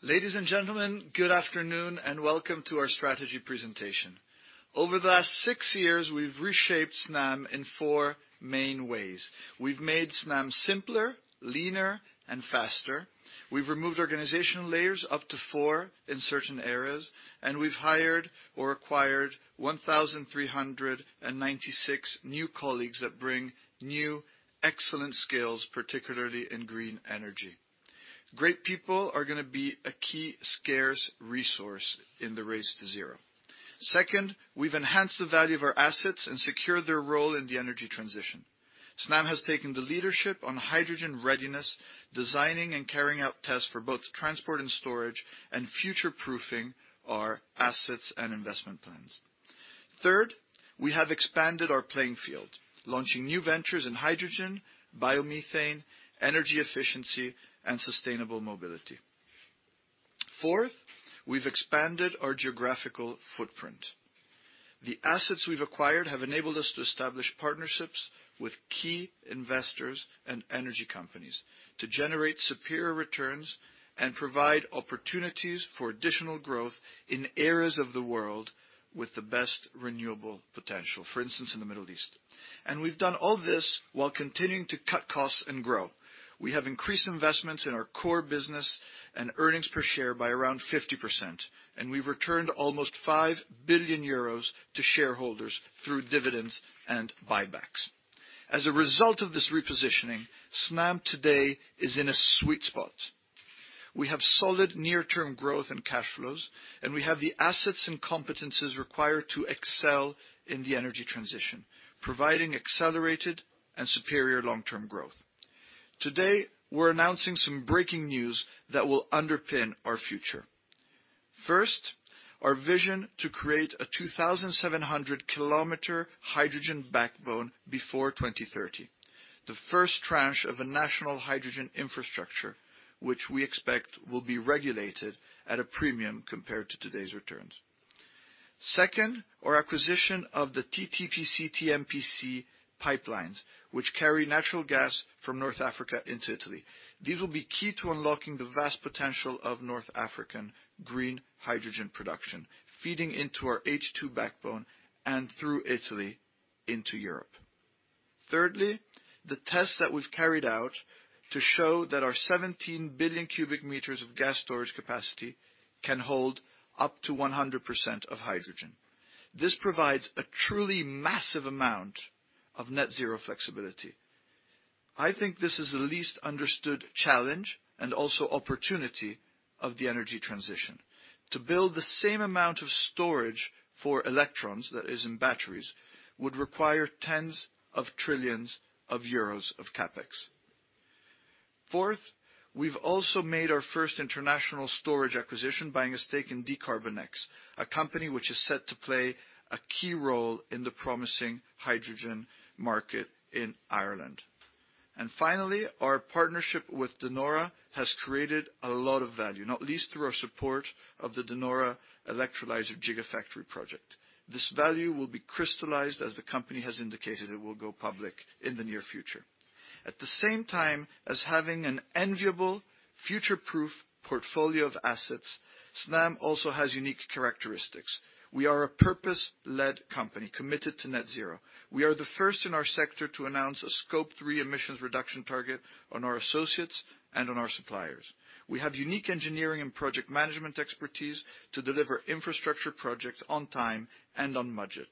Ladies and gentlemen, good afternoon, and welcome to our strategy presentation. Over the last six years, we've reshaped Snam in four main ways. We've made Snam simpler, leaner and faster. We've removed organizational layers up to four in certain areas, and we've hired or acquired 1,396 new colleagues that bring new excellent skills, particularly in green energy. Great people are gonna be a key scarce resource in the race to zero. Second, we've enhanced the value of our assets and secured their role in the energy transition. Snam has taken the leadership on hydrogen readiness, designing and carrying out tests for both transport and storage, and future-proofing our assets and investment plans. Third, we have expanded our playing field, launching new ventures in hydrogen, biomethane, energy efficiency, and sustainable mobility. Fourth, we've expanded our geographical footprint. The assets we've acquired have enabled us to establish partnerships with key investors and energy companies to generate superior returns and provide opportunities for additional growth in areas of the world with the best renewable potential, for instance, in the Middle East. We've done all this while continuing to cut costs and grow. We have increased investments in our core business and earnings per share by around 50%, and we've returned almost 5 billion euros to shareholders through dividends and buybacks. As a result of this repositioning, Snam today is in a sweet spot. We have solid near-term growth and cash flows, and we have the assets and competences required to excel in the energy transition, providing accelerated and superior long-term growth. Today, we're announcing some breaking news that will underpin our future. First, our vision to create a 2,700 km hydrogen backbone before 2030. The first tranche of a national hydrogen infrastructure, which we expect will be regulated at a premium compared to today's returns. Second, our acquisition of the TTPC, TMPC pipelines, which carry natural gas from North Africa into Italy. These will be key to unlocking the vast potential of North African green hydrogen production, feeding into our H2 backbone and through Italy into Europe. Thirdly, the tests that we've carried out to show that our 17 billion m³ of gas storage capacity can hold up to 100% of hydrogen. This provides a truly massive amount of Net Zero flexibility. I think this is the least understood challenge and also opportunity of the energy transition. To build the same amount of storage for electrons, that is in batteries, would require tens of trillions of Euros of CapEx. Fourth, we've also made our first international storage acquisition, buying a stake in dCarbonX, a company which is set to play a key role in the promising hydrogen market in Ireland. Finally, our partnership with De Nora has created a lot of value, not least through our support of the De Nora Gigafactory project. This value will be crystallized as the company has indicated it will go public in the near future. At the same time as having an enviable future-proof portfolio of assets, Snam also has unique characteristics. We are a purpose-led company committed to Net Zero. We are the first in our sector to announce a Scope 3 emissions reduction target on our associates and on our suppliers. We have unique engineering and project management expertise to deliver infrastructure projects on time and on budget.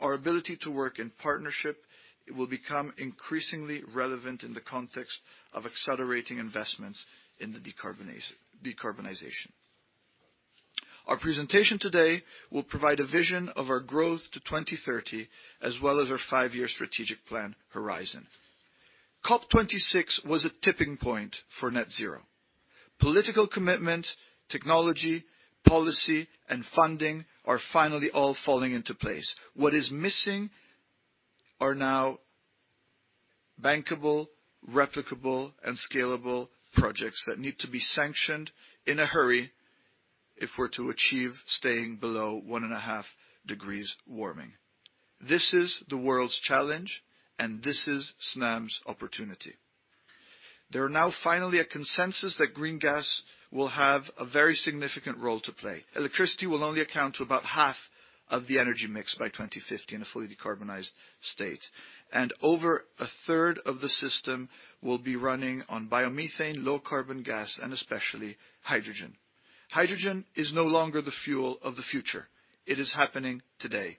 Our ability to work in partnership will become increasingly relevant in the context of accelerating investments in the decarbonization. Our presentation today will provide a vision of our growth to 2030, as well as our five-year strategic plan horizon. COP26 was a tipping point for Net Zero. Political commitment, technology, policy, and funding are finally all falling into place. What is missing are now bankable, replicable, and scalable projects that need to be sanctioned in a hurry if we're to achieve staying below 1.5 degrees warming. This is the world's challenge, and this is Snam's opportunity. There are now finally a consensus that green gas will have a very significant role to play. Electricity will only account to about half of the energy mix by 2050 in a fully decarbonized state. Over a third of the system will be running on biomethane, low carbon gas, and especially hydrogen. Hydrogen is no longer the fuel of the future. It is happening today.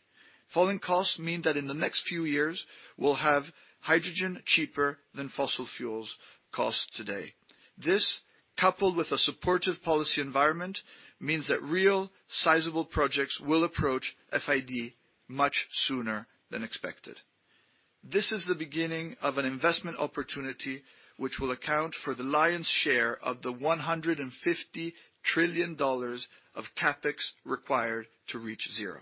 Falling costs mean that in the next few years, we'll have hydrogen cheaper than fossil fuels cost today. This, coupled with a supportive policy environment, means that real sizable projects will approach FID much sooner than expected. This is the beginning of an investment opportunity which will account for the lion's share of the $150 trillion of CapEx required to reach zero.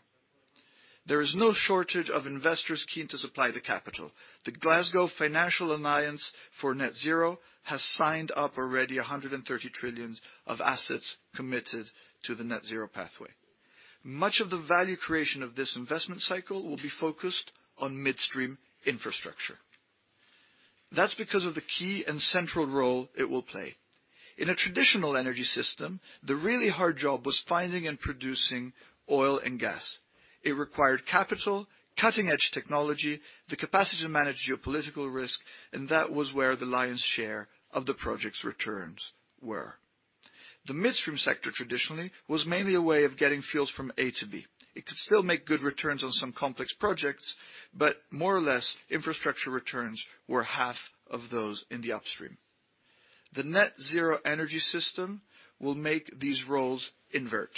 There is no shortage of investors keen to supply the capital. The Glasgow Financial Alliance for Net Zero has signed up already 130 trillion of assets committed to the Net Zero pathway. Much of the value creation of this investment cycle will be focused on midstream infrastructure. That's because of the key and central role it will play. In a traditional energy system, the really hard job was finding and producing oil and gas. It required capital, cutting-edge technology, the capacity to manage geopolitical risk, and that was where the lion's share of the project's returns were. The midstream sector traditionally was mainly a way of getting fuels from A-B. It could still make good returns on some complex projects, but more or less infrastructure returns were half of those in the upstream. The Net Zero energy system will make these roles invert.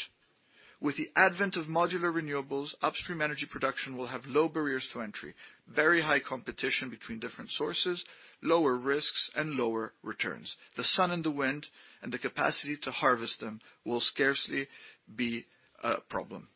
With the advent of modular renewables, upstream energy production will have low barriers to entry, very high competition between different sources, lower risks and lower returns. The sun and the wind and the capacity to harvest them will scarcely be a problem.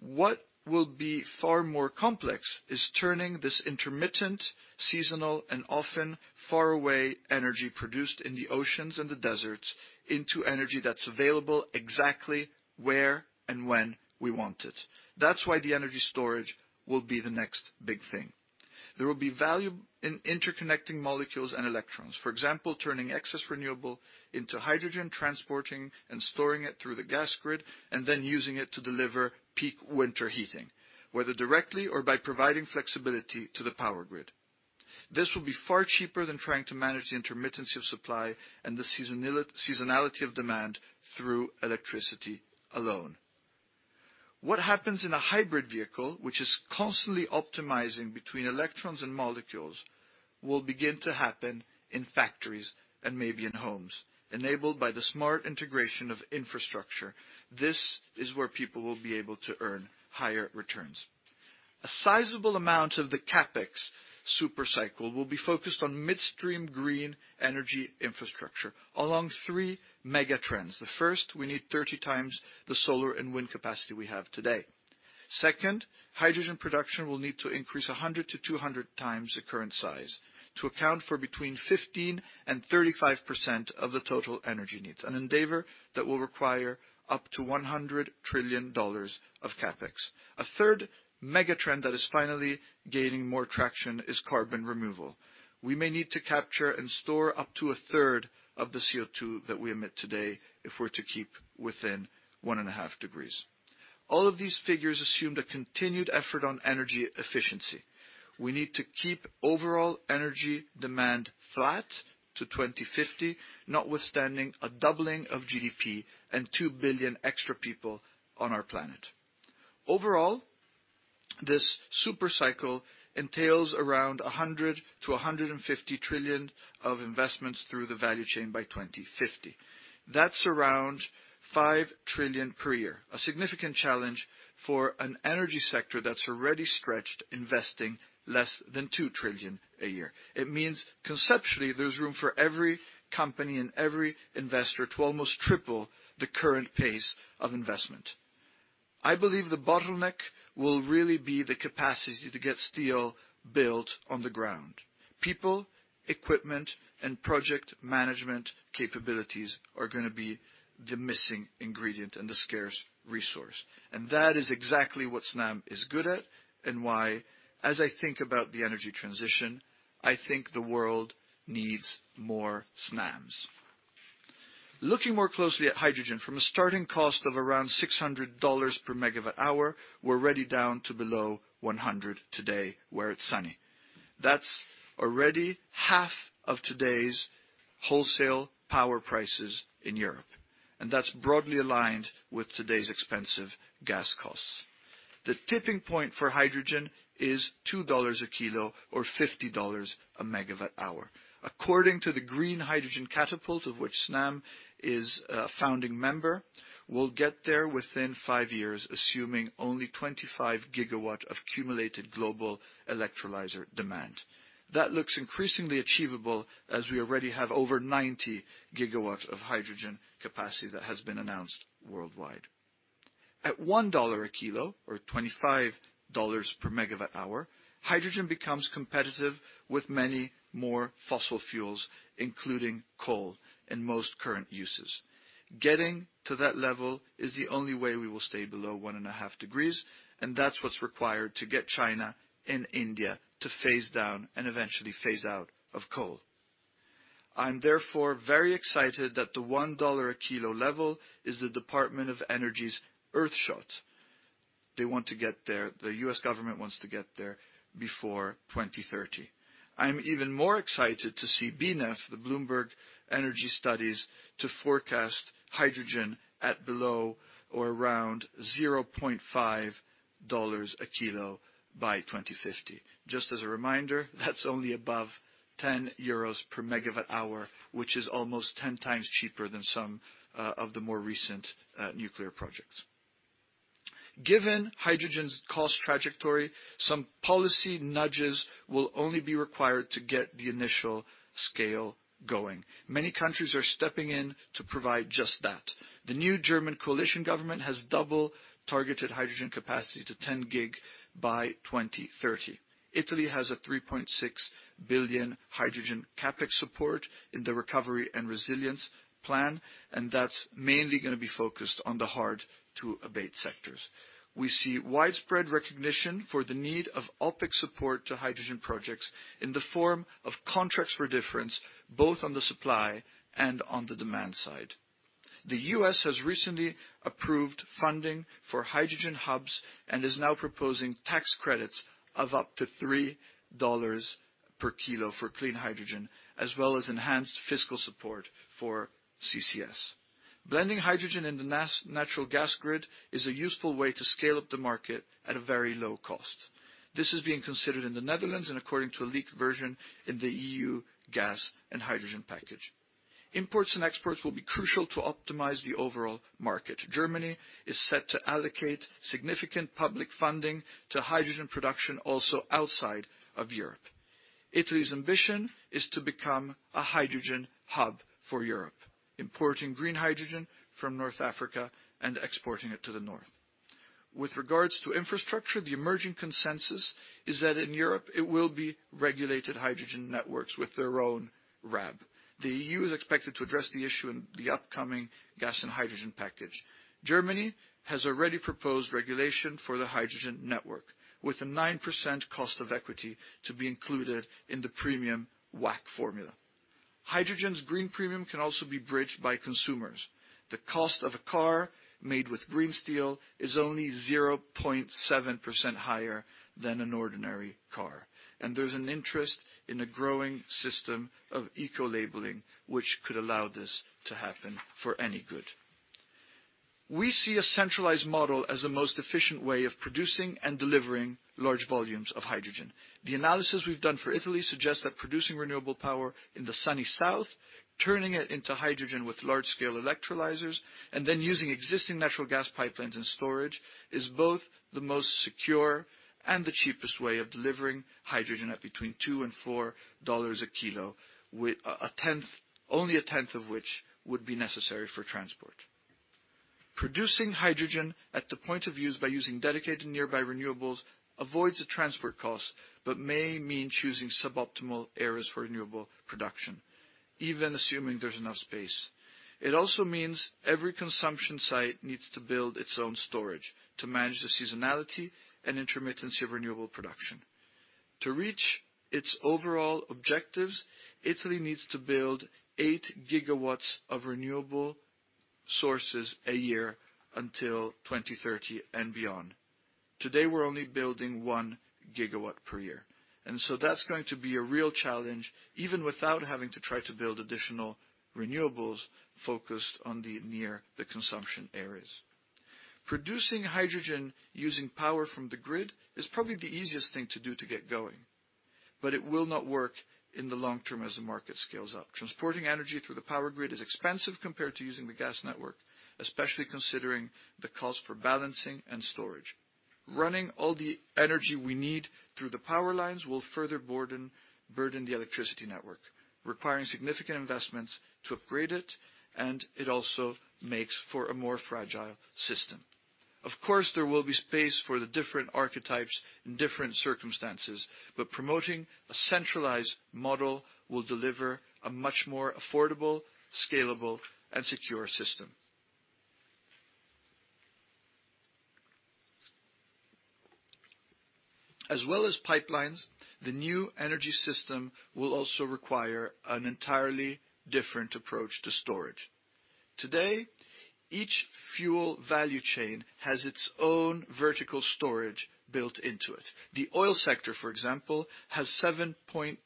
What will be far more complex is turning this intermittent, seasonal, and often far away energy produced in the oceans and the deserts into energy that's available exactly where and when we want it. That's why the energy storage will be the next big thing. There will be value in interconnecting molecules and electrons. For example, turning excess renewable into hydrogen, transporting and storing it through the gas grid, and then using it to deliver peak winter heating, whether directly or by providing flexibility to the power grid. This will be far cheaper than trying to manage the intermittency of supply and the seasonality of demand through electricity alone. What happens in a hybrid vehicle, which is constantly optimizing between electrons and molecules, will begin to happen in factories and maybe in homes, enabled by the smart integration of infrastructure. This is where people will be able to earn higher returns. A sizable amount of the CapEx super cycle will be focused on midstream green energy infrastructure along three mega trends. The first, we need 30 times the solar and wind capacity we have today. Second, hydrogen production will need to increase 100-200 times the current size to account for between 15%-35% of the total energy needs, an endeavor that will require up to $100 trillion of CapEx. A third mega trend that is finally gaining more traction is carbon removal. We may need to capture and store up to a third of the CO₂ that we emit today if we're to keep within 1.5 degrees. All of these figures assume the continued effort on energy efficiency. We need to keep overall energy demand flat to 2050, notwithstanding a doubling of GDP and 2 billion extra people on our planet. Overall, this super cycle entails around 100 trillion-150 trillion of investments through the value chain by 2050. That's around 5 trillion per year. A significant challenge for an energy sector that's already stretched, investing less than 2 trillion a year. It means conceptually, there's room for every company and every investor to almost triple the current pace of investment. I believe the bottleneck will really be the capacity to get steel built on the ground. People, equipment, and project management capabilities are gonna be the missing ingredient and the scarce resource. That is exactly what Snam is good at and why, as I think about the energy transition, I think the world needs more Snams. Looking more closely at hydrogen, from a starting cost of around $600/MWh, we're already down to below 100 today where it's sunny. That's already half of today's wholesale power prices in Europe, and that's broadly aligned with today's expensive gas costs. The tipping point for hydrogen is $2/kg or $50/MWh. According to the Green Hydrogen Catapult, of which Snam is a founding member, we'll get there within five years, assuming only 25 GW of accumulated global electrolyzer demand. That looks increasingly achievable as we already have over 90 GW of hydrogen capacity that has been announced worldwide. At $1/kg or $25/MWh, hydrogen becomes competitive with many more fossil fuels, including coal and most current uses. Getting to that level is the only way we will stay below 1.5 degrees, and that's what's required to get China and India to phase down and eventually phase out of coal. I'm therefore very excited that the $1/kg level is the Department of Energy's Hydrogen Shot. They want to get there. The U.S. government wants to get there before 2030. I'm even more excited to see BNEF, BloombergNEF, to forecast hydrogen at below or around $0.5/kg by 2050. Just as a reminder, that's only above 10 euros per MWh, which is almost 10x cheaper than some of the more recent nuclear projects. Given hydrogen's cost trajectory, some policy nudges will only be required to get the initial scale going. Many countries are stepping in to provide just that. The new German coalition government has doubled targeted hydrogen capacity to 10 GW by 2030. Italy has a 3.6 billion hydrogen CapEx support in the Recovery and Resilience Plan, and that's mainly gonna be focused on the hard-to-abate sectors. We see widespread recognition for the need of OpEx support to hydrogen projects in the form of contracts for difference, both on the supply and on the demand side. The U.S. has recently approved funding for hydrogen hubs and is now proposing tax credits of up to $3 per kilo for clean hydrogen, as well as enhanced fiscal support for CCS. Blending hydrogen in the natural gas grid is a useful way to scale up the market at a very low cost. This is being considered in the Netherlands and according to a leaked version in the EU gas and hydrogen package. Imports and exports will be crucial to optimize the overall market. Germany is set to allocate significant public funding to hydrogen production also outside of Europe. Italy's ambition is to become a hydrogen hub for Europe, importing green hydrogen from North Africa and exporting it to the north. With regards to infrastructure, the emerging consensus is that in Europe, it will be regulated hydrogen networks with their own RAB. The EU is expected to address the issue in the upcoming gas and hydrogen package. Germany has already proposed regulation for the hydrogen network, with a 9% cost of equity to be included in the premium WACC formula. Hydrogen's green premium can also be bridged by consumers. The cost of a car made with green steel is only 0.7% higher than an ordinary car, and there's an interest in a growing system of eco-labeling, which could allow this to happen for any good. We see a centralized model as the most efficient way of producing and delivering large volumes of hydrogen. The analysis we've done for Italy suggests that producing renewable power in the sunny south, turning it into hydrogen with large scale electrolyzers, and then using existing natural gas pipelines and storage is both the most secure and the cheapest way of delivering hydrogen at between $2-$4 a kilo. With only a tenth of which would be necessary for transport. Producing hydrogen at the point of use by using dedicated nearby renewables avoids the transport costs, but may mean choosing suboptimal areas for renewable production, even assuming there's enough space. It also means every consumption site needs to build its own storage to manage the seasonality and intermittency of renewable production. To reach its overall objectives, Italy needs to build 8 GW of renewable sources a year until 2030 and beyond. Today, we're only building 1 GW per year, and so that's going to be a real challenge even without having to try to build additional renewables focused on the consumption areas. Producing hydrogen using power from the grid is probably the easiest thing to do to get going, but it will not work in the long term as the market scales up. Transporting energy through the power grid is expensive compared to using the gas network, especially considering the cost for balancing and storage. Running all the energy we need through the power lines will further burden the electricity network, requiring significant investments to upgrade it, and it also makes for a more fragile system. Of course, there will be space for the different archetypes in different circumstances, but promoting a centralized model will deliver a much more affordable, scalable, and secure system. As well as pipelines, the new energy system will also require an entirely different approach to storage. Today, each fuel value chain has its own vertical storage built into it. The oil sector, for example, has 7.2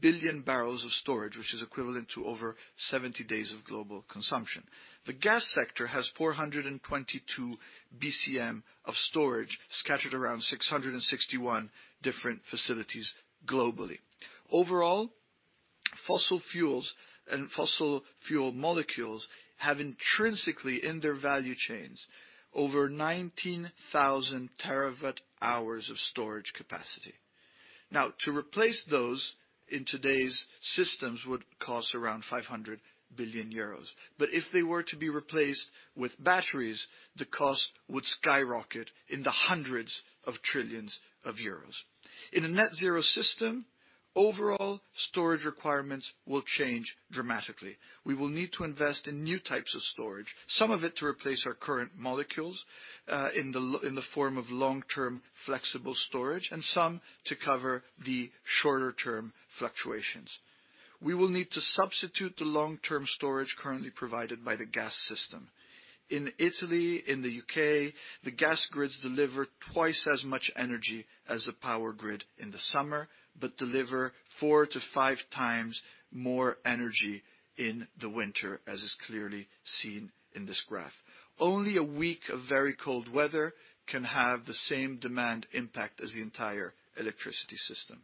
billion barrels of storage, which is equivalent to over 70 days of global consumption. The gas sector has 422 BCM of storage scattered around 661 different facilities globally. Overall, fossil fuels and fossil fuel molecules have intrinsically in their value chains over 19,000 TWh of storage capacity. Now, to replace those in today's systems would cost around 500 billion euros. But if they were to be replaced with batteries, the cost would skyrocket in the hundreds of trillions of Euros. In a Net Zero system, overall storage requirements will change dramatically. We will need to invest in new types of storage, some of it to replace our current molecules, in the form of long-term flexible storage and some to cover the shorter-term fluctuations. We will need to substitute the long-term storage currently provided by the gas system. In Italy, in the U.K., the gas grids deliver twice as much energy as the power grid in the summer, but deliver 4-5 times more energy in the winter, as is clearly seen in this graph. Only a week of very cold weather can have the same demand impact as the entire electricity system.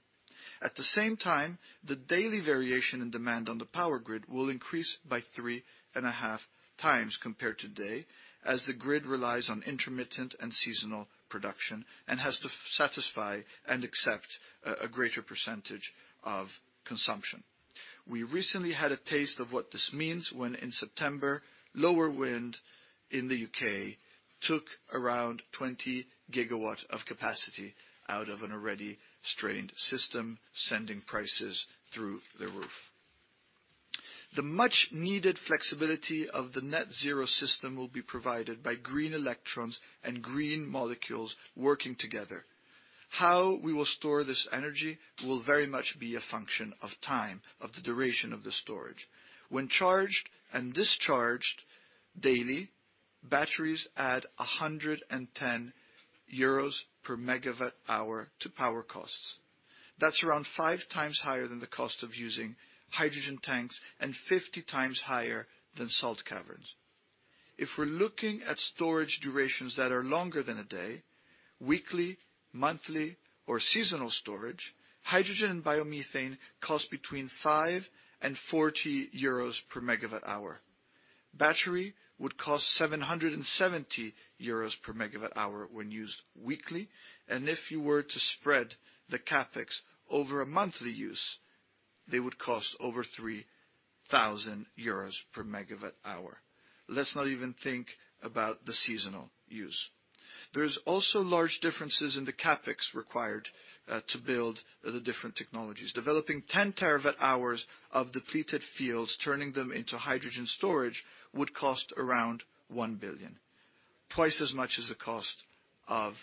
At the same time, the daily variation in demand on the power grid will increase by 3.5 times compared today, as the grid relies on intermittent and seasonal production and has to satisfy and accept a greater percentage of consumption. We recently had a taste of what this means when in September, lower wind in the U.K. took around 20 GW of capacity out of an already strained system, sending prices through the roof. The much needed flexibility of the Net Zero system will be provided by green electrons and green molecules working together. How we will store this energy will very much be a function of time, of the duration of the storage. When charged and discharged daily, batteries add 110 euros per MWh to power costs. That's around 5x higher than the cost of using hydrogen tanks and 50 times higher than salt caverns. If we're looking at storage durations that are longer than a day, weekly, monthly, or seasonal storage, hydrogen and biomethane cost 5-40 euros per MWh. Battery would cost 770 euros per MWh when used weekly, and if you were to spread the CapEx over a monthly use, they would cost over 3,000 euros per MWh. Let's not even think about the seasonal use. There's also large differences in the CapEx required to build the different technologies. Developing 10 TWh of depleted fields, turning them into hydrogen storage, would cost around 1 billion. Twice as much as the cost of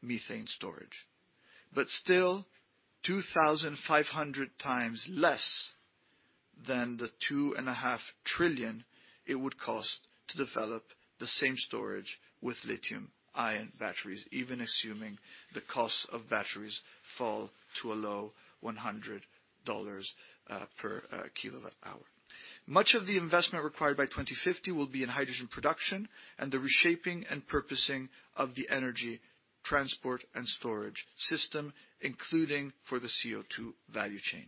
methane storage. But still 2,500x less than the 2.5 trillion it would cost to develop the same storage with lithium ion batteries, even assuming the cost of batteries fall to a low $100 per kWh. Much of the investment required by 2050 will be in hydrogen production and the reshaping and purposing of the energy transport and storage system, including for the CO₂ value chain.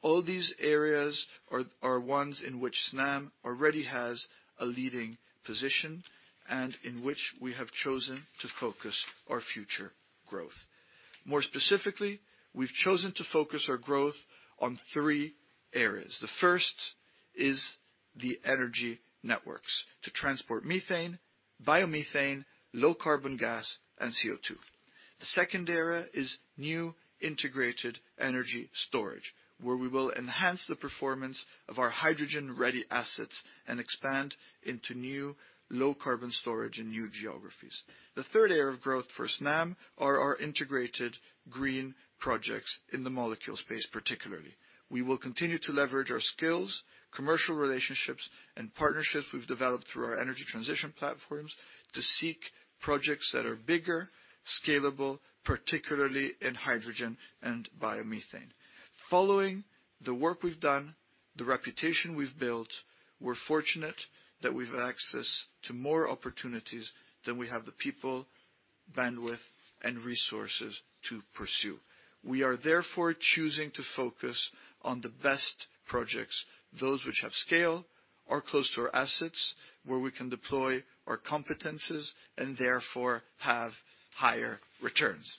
All these areas are ones in which Snam already has a leading position and in which we have chosen to focus our future growth. More specifically, we've chosen to focus our growth on three areas. The first is the energy networks to transport methane, biomethane, low carbon gas, and CO₂. The second area is new integrated energy storage, where we will enhance the performance of our hydrogen-ready assets and expand into new low carbon storage and new geographies. The third area of growth for Snam are our integrated green projects in the molecule space, particularly. We will continue to leverage our skills, commercial relationships, and partnerships we've developed through our energy transition platforms to seek projects that are bigger, scalable, particularly in hydrogen and biomethane. Following the work we've done, the reputation we've built, we're fortunate that we have access to more opportunities than we have the people, bandwidth, and resources to pursue. We are therefore choosing to focus on the best projects, those which have scale or close to our assets, where we can deploy our competences and therefore have higher returns.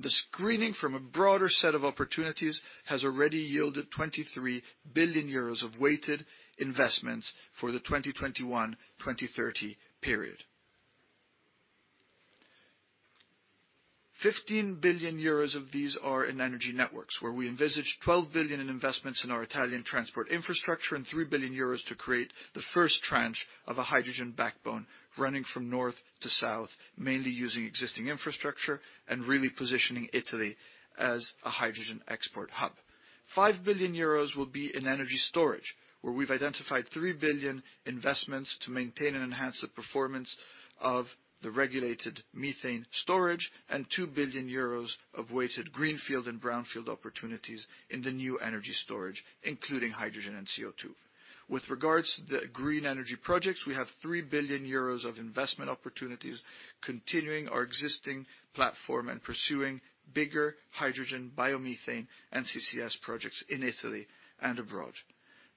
The screening from a broader set of opportunities has already yielded 23 billion euros of weighted investments for the 2021-2030 period. 15 billion euros of these are in energy networks, where we envisioned 12 billion in investments in our Italian transport infrastructure and 3 billion euros to create the first tranche of a hydrogen backbone running from north to south, mainly using existing infrastructure and really positioning Italy as a hydrogen export hub. 5 billion euros will be in energy storage, where we've identified 3 billion investments to maintain and enhance the performance of the regulated methane storage and 2 billion euros of weighted greenfield and brownfield opportunities in the new energy storage, including hydrogen and CO₂. With regards to the green energy projects, we have 3 billion euros of investment opportunities, continuing our existing platform and pursuing bigger hydrogen, biomethane, and CCS projects in Italy and abroad.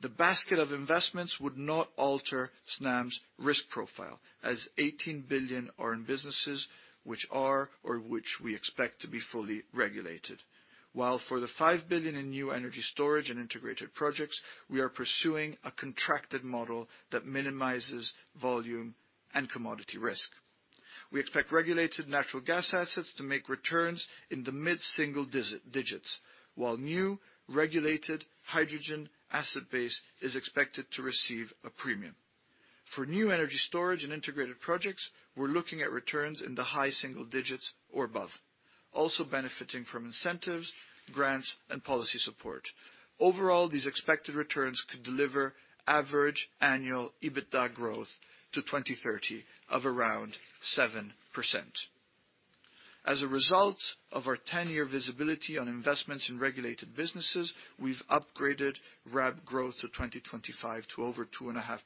The basket of investments would not alter Snam's risk profile, as 18 billion are in businesses which are or which we expect to be fully regulated. While for the 5 billion in new energy storage and integrated projects, we are pursuing a contracted model that minimizes volume and commodity risk. We expect regulated natural gas assets to make returns in the mid-single digits, while new regulated hydrogen asset base is expected to receive a premium. For new energy storage and integrated projects, we're looking at returns in the high single digits or above, also benefiting from incentives, grants, and policy support. Overall, these expected returns could deliver average annual EBITDA growth to 2030 of around 7%. As a result of our 10-year visibility on investments in regulated businesses, we've upgraded RAB growth to 2025 to over 2.5%,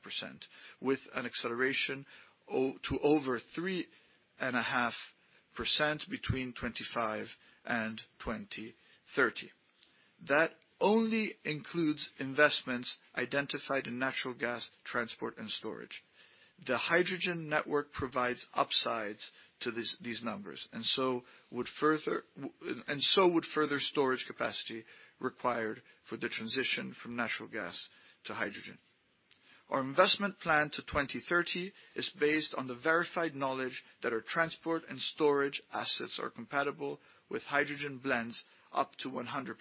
with an acceleration to over 3.5% between 2025 and 2030. That only includes investments identified in natural gas transport and storage. The hydrogen network provides upsides to these numbers, and so would further storage capacity required for the transition from natural gas to hydrogen. Our investment plan to 2030 is based on the verified knowledge that our transport and storage assets are compatible with hydrogen blends up to 100%,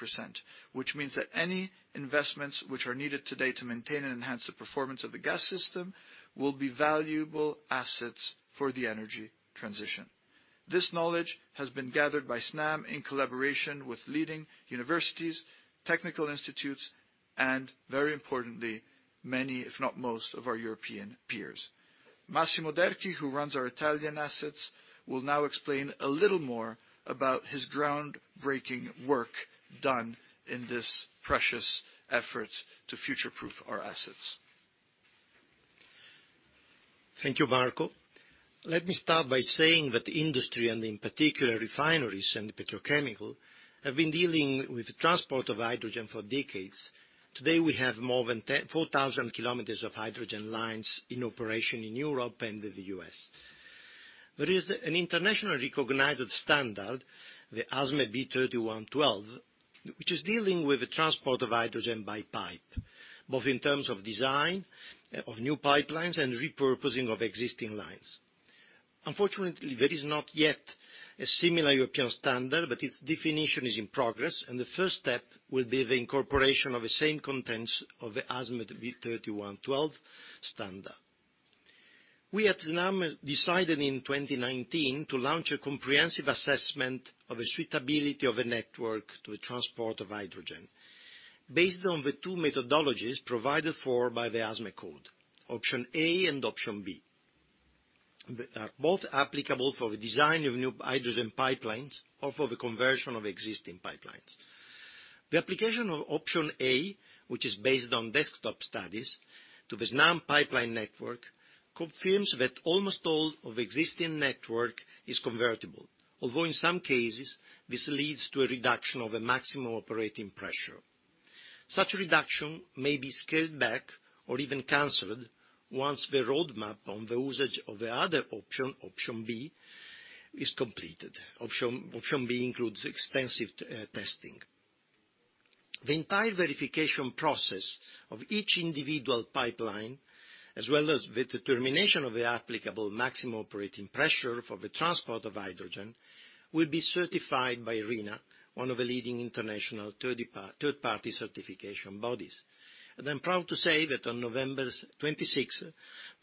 which means that any investments which are needed today to maintain and enhance the performance of the gas system will be valuable assets for the energy transition. This knowledge has been gathered by Snam in collaboration with leading universities, technical institutes, and very importantly, many, if not most, of our European peers. Massimo Derchi, who runs our Italian assets, will now explain a little more about his groundbreaking work done in this precious effort to future-proof our assets. Thank you, Marco. Let me start by saying that the industry, and in particular refineries and petrochemical, have been dealing with transport of hydrogen for decades. Today, we have more than 14,000 km of hydrogen lines in operation in Europe and in the U.S. There is an internationally recognized standard, the ASME B31.12, which is dealing with the transport of hydrogen by pipe, both in terms of design, of new pipelines, and repurposing of existing lines. Unfortunately, there is not yet a similar European standard, but its definition is in progress, and the first step will be the incorporation of the same contents of the ASME B31.12 standard. We at Snam decided in 2019 to launch a comprehensive assessment of the suitability of a network to the transport of hydrogen based on the two methodologies provided for by the ASME code, Option A and Option B. Both applicable for the design of new hydrogen pipelines or for the conversion of existing pipelines. The application of Option A, which is based on desktop studies to the Snam pipeline network, confirms that almost all of existing network is convertible, although in some cases, this leads to a reduction of a maximum operating pressure. Such a reduction may be scaled back or even canceled once the roadmap on the usage of the other option, Option B, is completed. Option B includes extensive testing. The entire verification process of each individual pipeline, as well as the determination of the applicable maximum operating pressure for the transport of hydrogen, will be certified by RINA, one of the leading international third-party certification bodies. I'm proud to say that on November 26,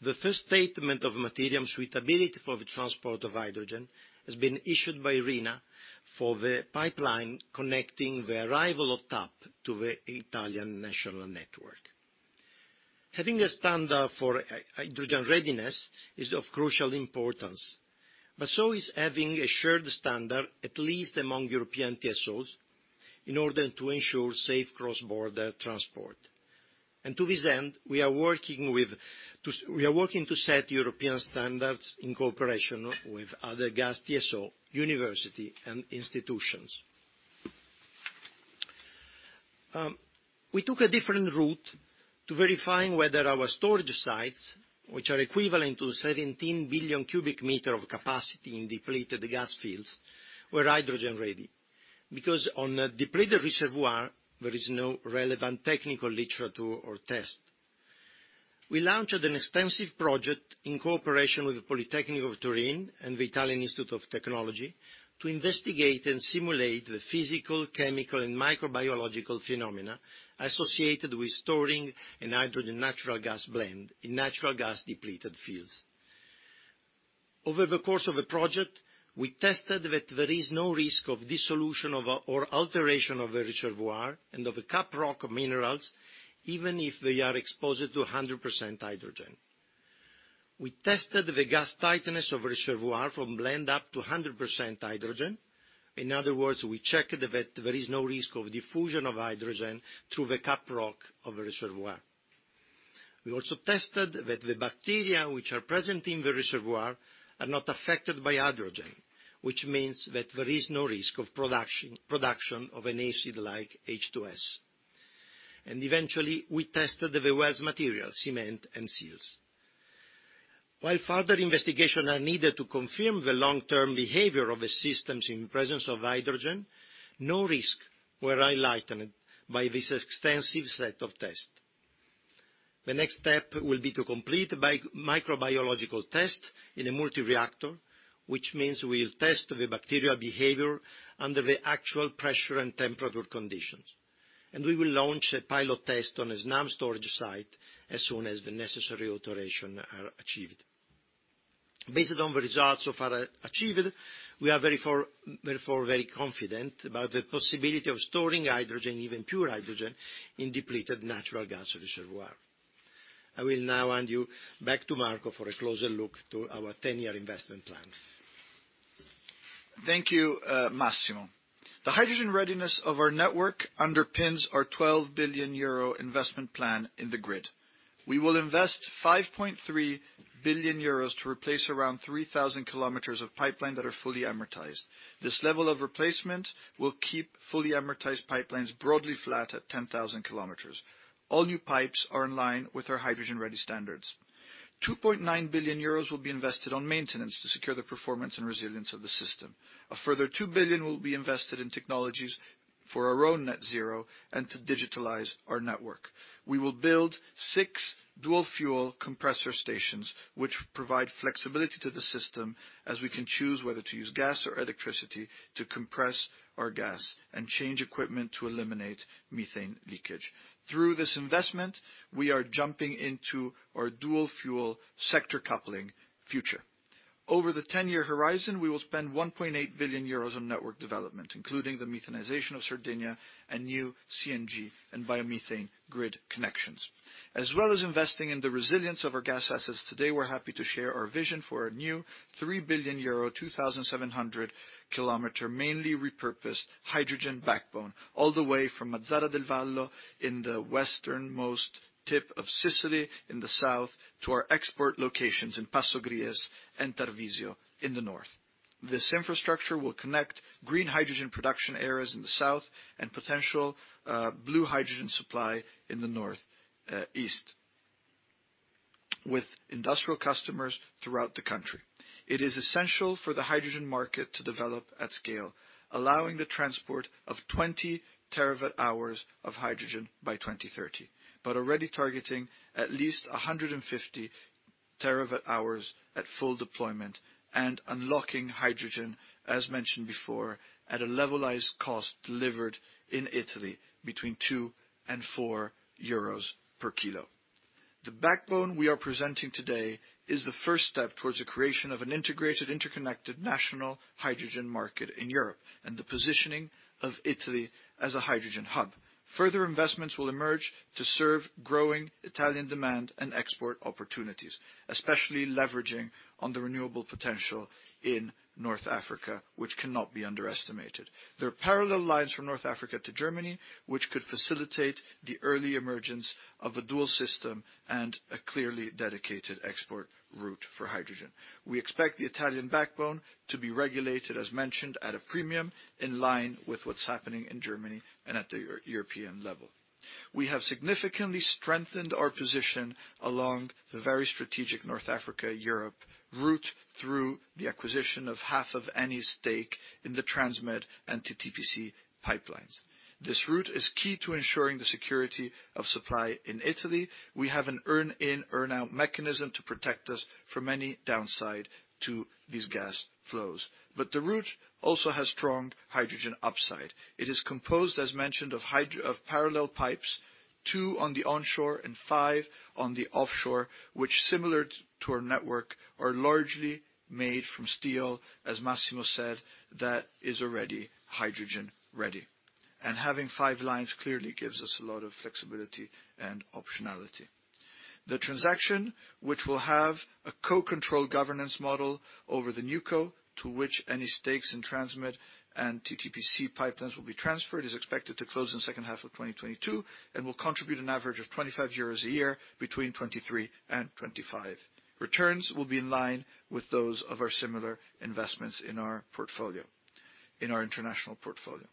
the first statement of material suitability for the transport of hydrogen has been issued by RINA for the pipeline connecting the arrival of TAP to the Italian national network. Having a standard for hydrogen readiness is of crucial importance, but so is having a shared standard, at least among European TSOs, in order to ensure safe cross-border transport. To this end, we are working to set European standards in cooperation with other gas TSOs, universities, and institutions. We took a different route to verifying whether our storage sites, which are equivalent to 17 billion m³ of capacity in depleted gas fields, were hydrogen-ready. Because on a depleted reservoir, there is no relevant technical literature or test. We launched an extensive project in cooperation with the Politecnico di Torino and the Italian Institute of Technology to investigate and simulate the physical, chemical, and microbiological phenomena associated with storing a hydrogen natural gas blend in natural gas-depleted fields. Over the course of the project, we tested that there is no risk of dissolution or alteration of the reservoir and of the cap rock minerals, even if they are exposed to 100% hydrogen. We tested the gas tightness of reservoir from blend up to 100% hydrogen. In other words, we checked that there is no risk of diffusion of hydrogen through the cap rock of the reservoir. We also tested that the bacteria which are present in the reservoir are not affected by hydrogen, which means that there is no risk of production of an acid like H2S. Eventually, we tested the well's materials, cement and seals. While further investigations are needed to confirm the long-term behavior of the systems in presence of hydrogen, no risks were highlighted by this extensive set of tests. The next step will be to complete microbiological tests in a multi-reactor, which means we'll test the bacterial behavior under the actual pressure and temperature conditions. We will launch a pilot test on a Snam storage site as soon as the necessary alterations are achieved. Based on the results so far achieved, we are very, therefore, very confident about the possibility of storing hydrogen, even pure hydrogen, in depleted natural gas reservoirs. I will now hand you back to Marco for a closer look at our 10-year investment plan. Thank you, Massimo. The hydrogen readiness of our network underpins our 12 billion euro investment plan in the grid. We will invest 5.3 billion euros to replace around 3,000 km of pipeline that are fully amortized. This level of replacement will keep fully amortized pipelines broadly flat at 10,000 km. All new pipes are in line with our hydrogen-ready standards. 2.9 billion euros will be invested on maintenance to secure the performance and resilience of the system. A further 2 billion will be invested in technologies for our own Net Zero and to digitalize our network. We will build six dual fuel compressor stations, which provide flexibility to the system as we can choose whether to use gas or electricity to compress our gas and change equipment to eliminate methane leakage. Through this investment, we are jumping into our dual-fuel sector coupling future. Over the 10-year horizon, we will spend 1.8 billion euros on network development, including the methanization of Sardinia and new CNG and biomethane grid connections. As well as investing in the resilience of our gas assets, today we're happy to share our vision for a new 3 billion euro, 2,700 km, mainly repurposed hydrogen backbone all the way from Mazara del Vallo in the westernmost tip of Sicily in the south to our export locations in Passo Gries and Tarvisio in the north. This infrastructure will connect green hydrogen production areas in the south and potential blue hydrogen supply in the northeast with industrial customers throughout the country. It is essential for the hydrogen market to develop at scale, allowing the transport of 20 TWh of hydrogen by 2030, but already targeting at least 150 TWh at full deployment and unlocking hydrogen, as mentioned before, at a levelized cost delivered in Italy between 2 and 4 euros per kilo. The backbone we are presenting today is the first step towards the creation of an integrated, interconnected national hydrogen market in Europe, and the positioning of Italy as a hydrogen hub. Further investments will emerge to serve growing Italian demand and export opportunities, especially leveraging on the renewable potential in North Africa, which cannot be underestimated. There are parallel lines from North Africa to Germany, which could facilitate the early emergence of a dual system and a clearly dedicated export route for hydrogen. We expect the Italian backbone to be regulated, as mentioned, at a premium in line with what's happening in Germany and at the European level. We have significantly strengthened our position along the very strategic North Africa-Europe route through the acquisition of half of Eni's stake in the TransMed and TTPC pipelines. This route is key to ensuring the security of supply in Italy. We have an earn-in/earn-out mechanism to protect us from any downside to these gas flows. The route also has strong hydrogen upside. It is composed, as mentioned, of parallel pipes, two on the onshore and five on the offshore, which, similar to our network, are largely made from steel, as Massimo said, that is already hydrogen-ready. Having five lines clearly gives us a lot of flexibility and optionality. The transaction, which will have a co-controlled governance model over the NewCo, to which Eni's stakes in TransMed and TTPC pipelines will be transferred, is expected to close in the second half of 2022 and will contribute an average of 25 euros a year between 2023 and 2025. Returns will be in line with those of our similar investments in our portfolio, in our international portfolio.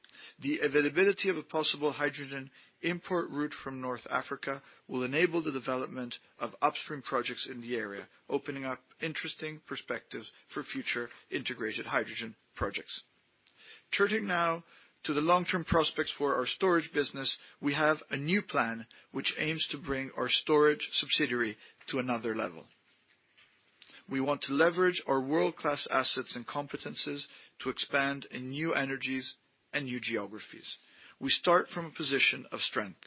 The availability of a possible hydrogen import route from North Africa will enable the development of upstream projects in the area, opening up interesting perspectives for future integrated hydrogen projects. Turning now to the long-term prospects for our storage business, we have a new plan which aims to bring our storage subsidiary to another level. We want to leverage our world-class assets and competencies to expand in new energies and new geographies. We start from a position of strength.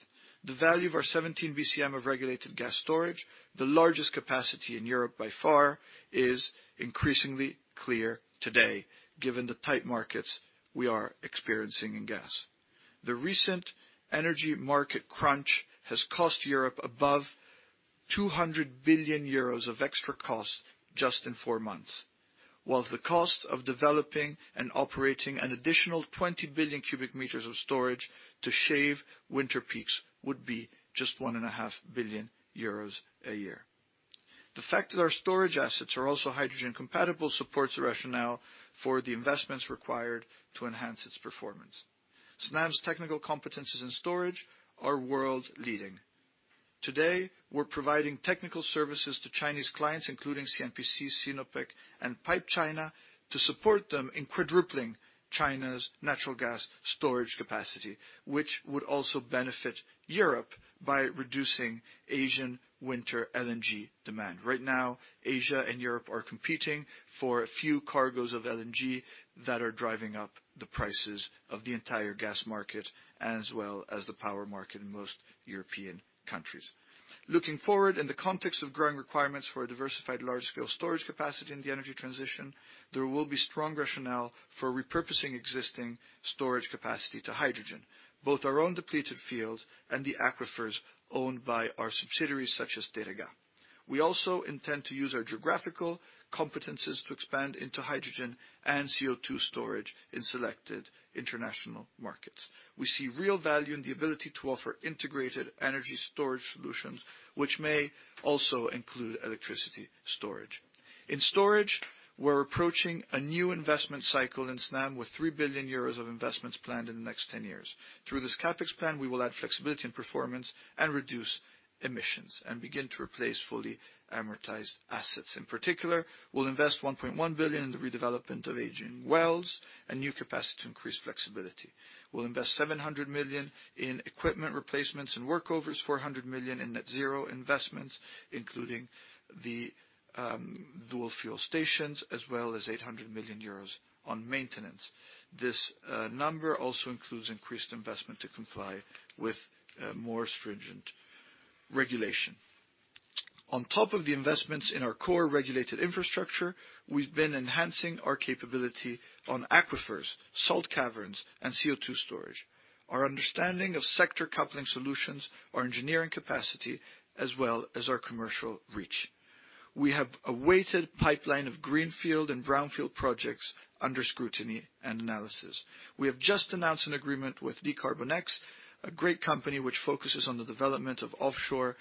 The value of our 17 BCM of regulated gas storage, the largest capacity in Europe by far, is increasingly clear today, given the tight markets we are experiencing in gas. The recent energy market crunch has cost Europe above 200 billion euros of extra cost just in four months. While the cost of developing and operating an additional 20 billion m³ of storage to shave winter peaks would be just 1.5 billion euros a year. The fact that our storage assets are also hydrogen compatible supports the rationale for the investments required to enhance its performance. Snam's technical competences in storage are world leading. Today, we're providing technical services to Chinese clients, including CNPC, Sinopec, and PipeChina, to support them in quadrupling China's natural gas storage capacity, which would also benefit Europe by reducing Asian winter LNG demand. Right now, Asia and Europe are competing for a few cargoes of LNG that are driving up the prices of the entire gas market, as well as the power market in most European countries. Looking forward in the context of growing requirements for a diversified large scale storage capacity in the energy transition, there will be strong rationale for repurposing existing storage capacity to hydrogen, both our own depleted fields and the aquifers owned by our subsidiaries such as Teréga. We also intend to use our geographical competencies to expand into hydrogen and CO₂ storage in selected international markets. We see real value in the ability to offer integrated energy storage solutions, which may also include electricity storage. In storage, we're approaching a new investment cycle in Snam with 3 billion euros of investments planned in the next 10 years. Through this CapEx plan, we will add flexibility and performance and reduce emissions and begin to replace fully amortized assets. In particular, we'll invest 1.1 billion in the redevelopment of aging wells and new capacity to increase flexibility. We'll invest 700 million in equipment replacements and workovers, 400 million in net zero investments, including the dual fuel stations, as well as 800 million euros on maintenance. This number also includes increased investment to comply with more stringent regulation. On top of the investments in our core regulated infrastructure, we've been enhancing our capability on aquifers, salt caverns, and CO₂ storage, our understanding of sector coupling solutions, our engineering capacity, as well as our commercial reach. We have a weighted pipeline of greenfield and brownfield projects under scrutiny and analysis. We have just announced an agreement with dCarbonX, a great company which focuses on the development of offshore,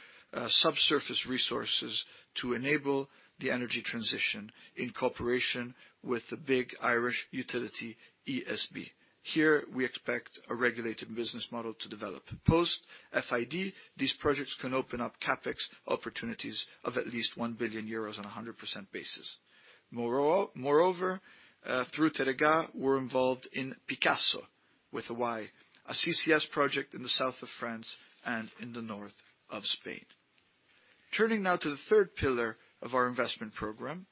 subsurface resources to enable the energy transition in cooperation with the big Irish utility, ESB. Here, we expect a regulated business model to develop. Post FID, these projects can open up CapEx opportunities of at least 1 billion euros on a 100% basis. Moreover, through Teréga, we're involved in PYCASSO, a CCS project in the south of France and in the north of Spain. Turning now to the third pillar of our investment program,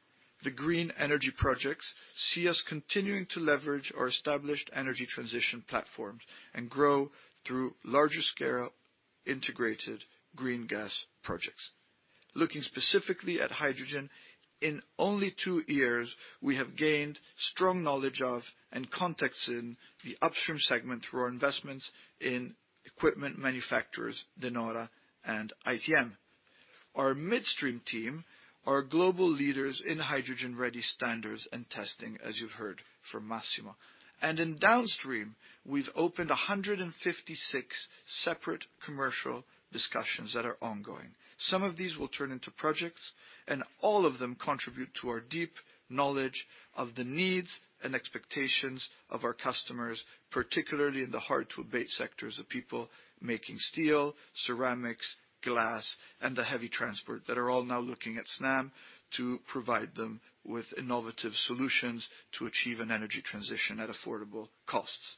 the green energy projects see us continuing to leverage our established energy transition platforms and grow through larger scale integrated green gas projects. Looking specifically at hydrogen, in only two years, we have gained strong knowledge of and context in the upstream segment through our investments in equipment manufacturers, De Nora and ITM. Our midstream team are global leaders in hydrogen-ready standards and testing, as you've heard from Massimo. In downstream, we've opened 156 separate commercial discussions that are ongoing. Some of these will turn into projects, and all of them contribute to our deep knowledge of the needs and expectations of our customers, particularly in the hard-to-abate sectors of people making steel, ceramics, glass, and the heavy transport that are all now looking at Snam to provide them with innovative solutions to achieve an energy transition at affordable costs.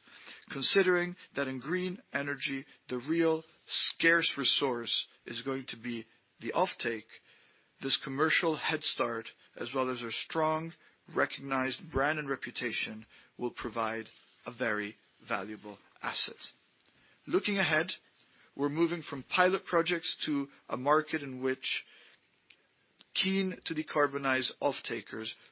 Considering that in green energy, the real scarce resource is going to be the offtake, this commercial head start, as well as our strong, recognized brand and reputation, will provide a very valuable asset. Looking ahead, we're moving from pilot projects to a market in which offtakers keen to decarbonize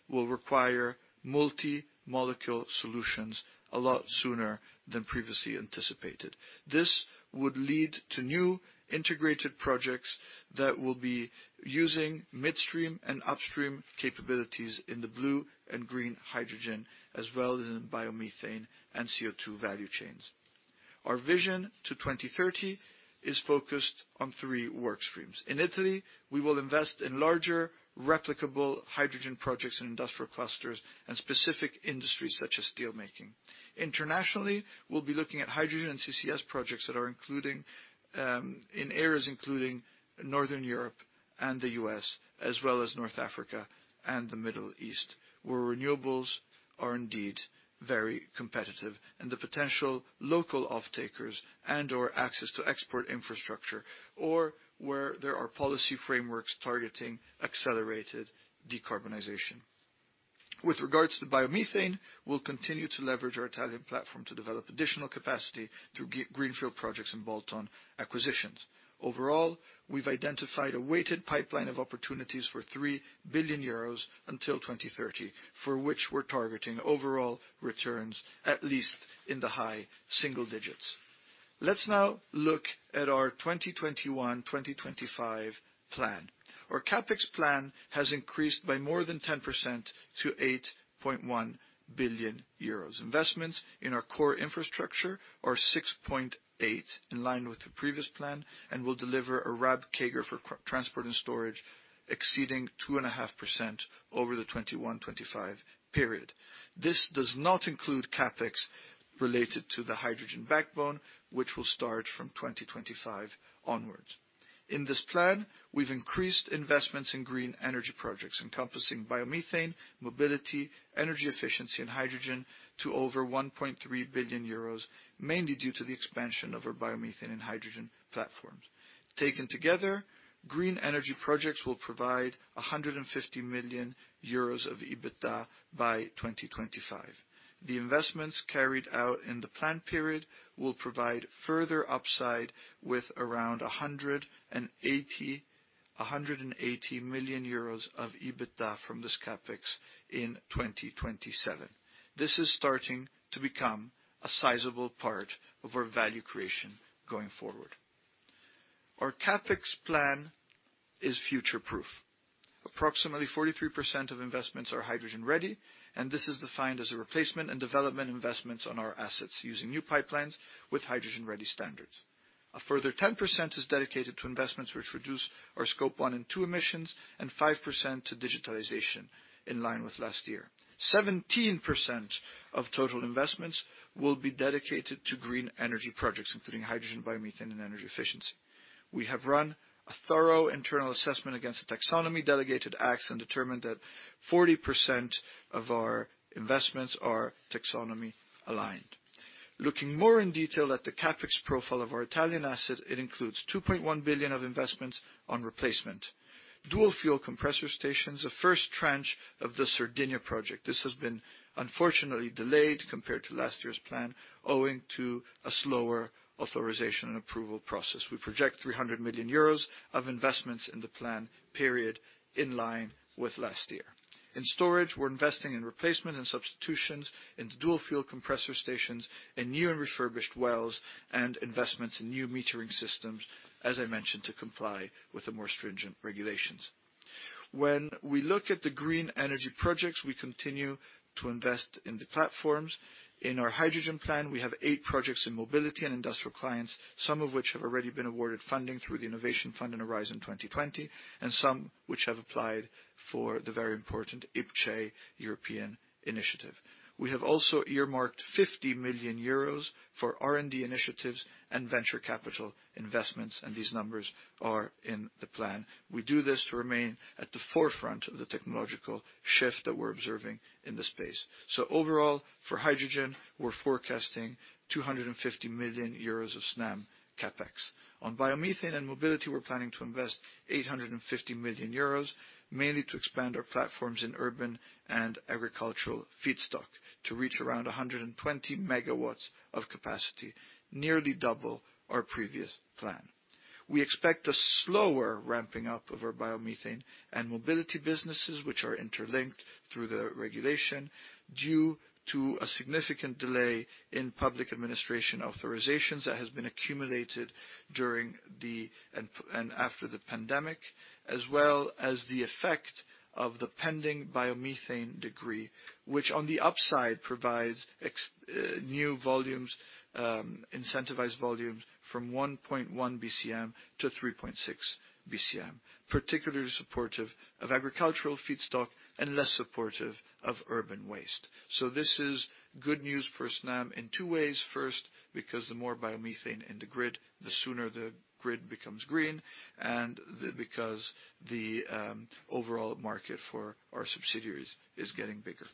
will require multi-molecule solutions a lot sooner than previously anticipated. This would lead to new integrated projects that will be using midstream and upstream capabilities in the blue and green hydrogen, as well as in biomethane and CO₂ value chains. Our vision to 2030 is focused on three work streams. In Italy, we will invest in larger replicable hydrogen projects and industrial clusters and specific industries such as steel making. Internationally, we'll be looking at hydrogen and CCS projects in areas including Northern Europe and the U.S., as well as North Africa and the Middle East, where renewables are indeed very competitive and the potential local offtakers and/or access to export infrastructure or where there are policy frameworks targeting accelerated decarbonization. With regards to biomethane, we'll continue to leverage our Italian platform to develop additional capacity through greenfield projects and bolt-on acquisitions. Overall, we've identified a weighted pipeline of opportunities for 3 billion euros until 2030, for which we're targeting overall returns, at least in the high single digits. Let's now look at our 2021-2025 plan. Our CapEx plan has increased by more than 10% to 8.1 billion euros. Investments in our core infrastructure are 6.8 billion, in line with the previous plan, and will deliver a RAB CAGR for core transport and storage exceeding 2.5% over the 2021-2025 period. This does not include CapEx related to the hydrogen backbone, which will start from 2025 onwards. In this plan, we've increased investments in green energy projects encompassing biomethane, mobility, energy efficiency, and hydrogen to over 1.3 billion euros, mainly due to the expansion of our biomethane and hydrogen platforms. Taken together, green energy projects will provide 150 million euros of EBITDA by 2025. The investments carried out in the plan period will provide further upside with around 180 million euros of EBITDA from this CapEx in 2027. This is starting to become a sizable part of our value creation going forward. Our CapEx plan is future proof. Approximately 43% of investments are hydrogen ready, and this is defined as a replacement and development investments on our assets using new pipelines with hydrogen-ready standards. A further 10% is dedicated to investments which reduce our Scope 1 and 2 emissions, and 5% to digitalization in line with last year. 17% of total investments will be dedicated to green energy projects, including hydrogen, biomethane, and energy efficiency. We have run a thorough internal assessment against the Taxonomy Delegated Acts, and determined that 40% of our investments are taxonomy aligned. Looking more in detail at the CapEx profile of our Italian asset, it includes 2.1 billion of investments on replacement, dual fuel compressor stations, the first tranche of the Sardinia project. This has been unfortunately delayed compared to last year's plan, owing to a slower authorization and approval process. We project 300 million euros of investments in the plan period in line with last year. In storage, we're investing in replacement and substitutions into dual fuel compressor stations and new and refurbished wells and investments in new metering systems, as I mentioned, to comply with the more stringent regulations. When we look at the green energy projects, we continue to invest in the platforms. In our hydrogen plan, we have eight projects in mobility and industrial clients, some of which have already been awarded funding through the Innovation Fund in Horizon 2020, and some which have applied for the very important IPCEI European initiative. We have also earmarked 50 million euros for R&D initiatives and venture capital investments, and these numbers are in the plan. We do this to remain at the forefront of the technological shift that we're observing in the space. Overall, for hydrogen, we're forecasting 250 million euros of Snam CapEx. On biomethane and mobility, we're planning to invest 850 million euros, mainly to expand our platforms in urban and agricultural feedstock to reach around 120 MW of capacity, nearly double our previous plan. We expect a slower ramping up of our biomethane and mobility businesses, which are interlinked through the regulation, due to a significant delay in public administration authorizations that has been accumulated during and after the pandemic, as well as the effect of the pending biomethane decree, which on the upside provides new volumes, incentivized volumes from 1.1 BCM-3.6 BCM, particularly supportive of agricultural feedstock and less supportive of urban waste. This is good news for Snam in two ways. First, because the more biomethane in the grid, the sooner the grid becomes green, and the overall market for our subsidiaries is getting bigger.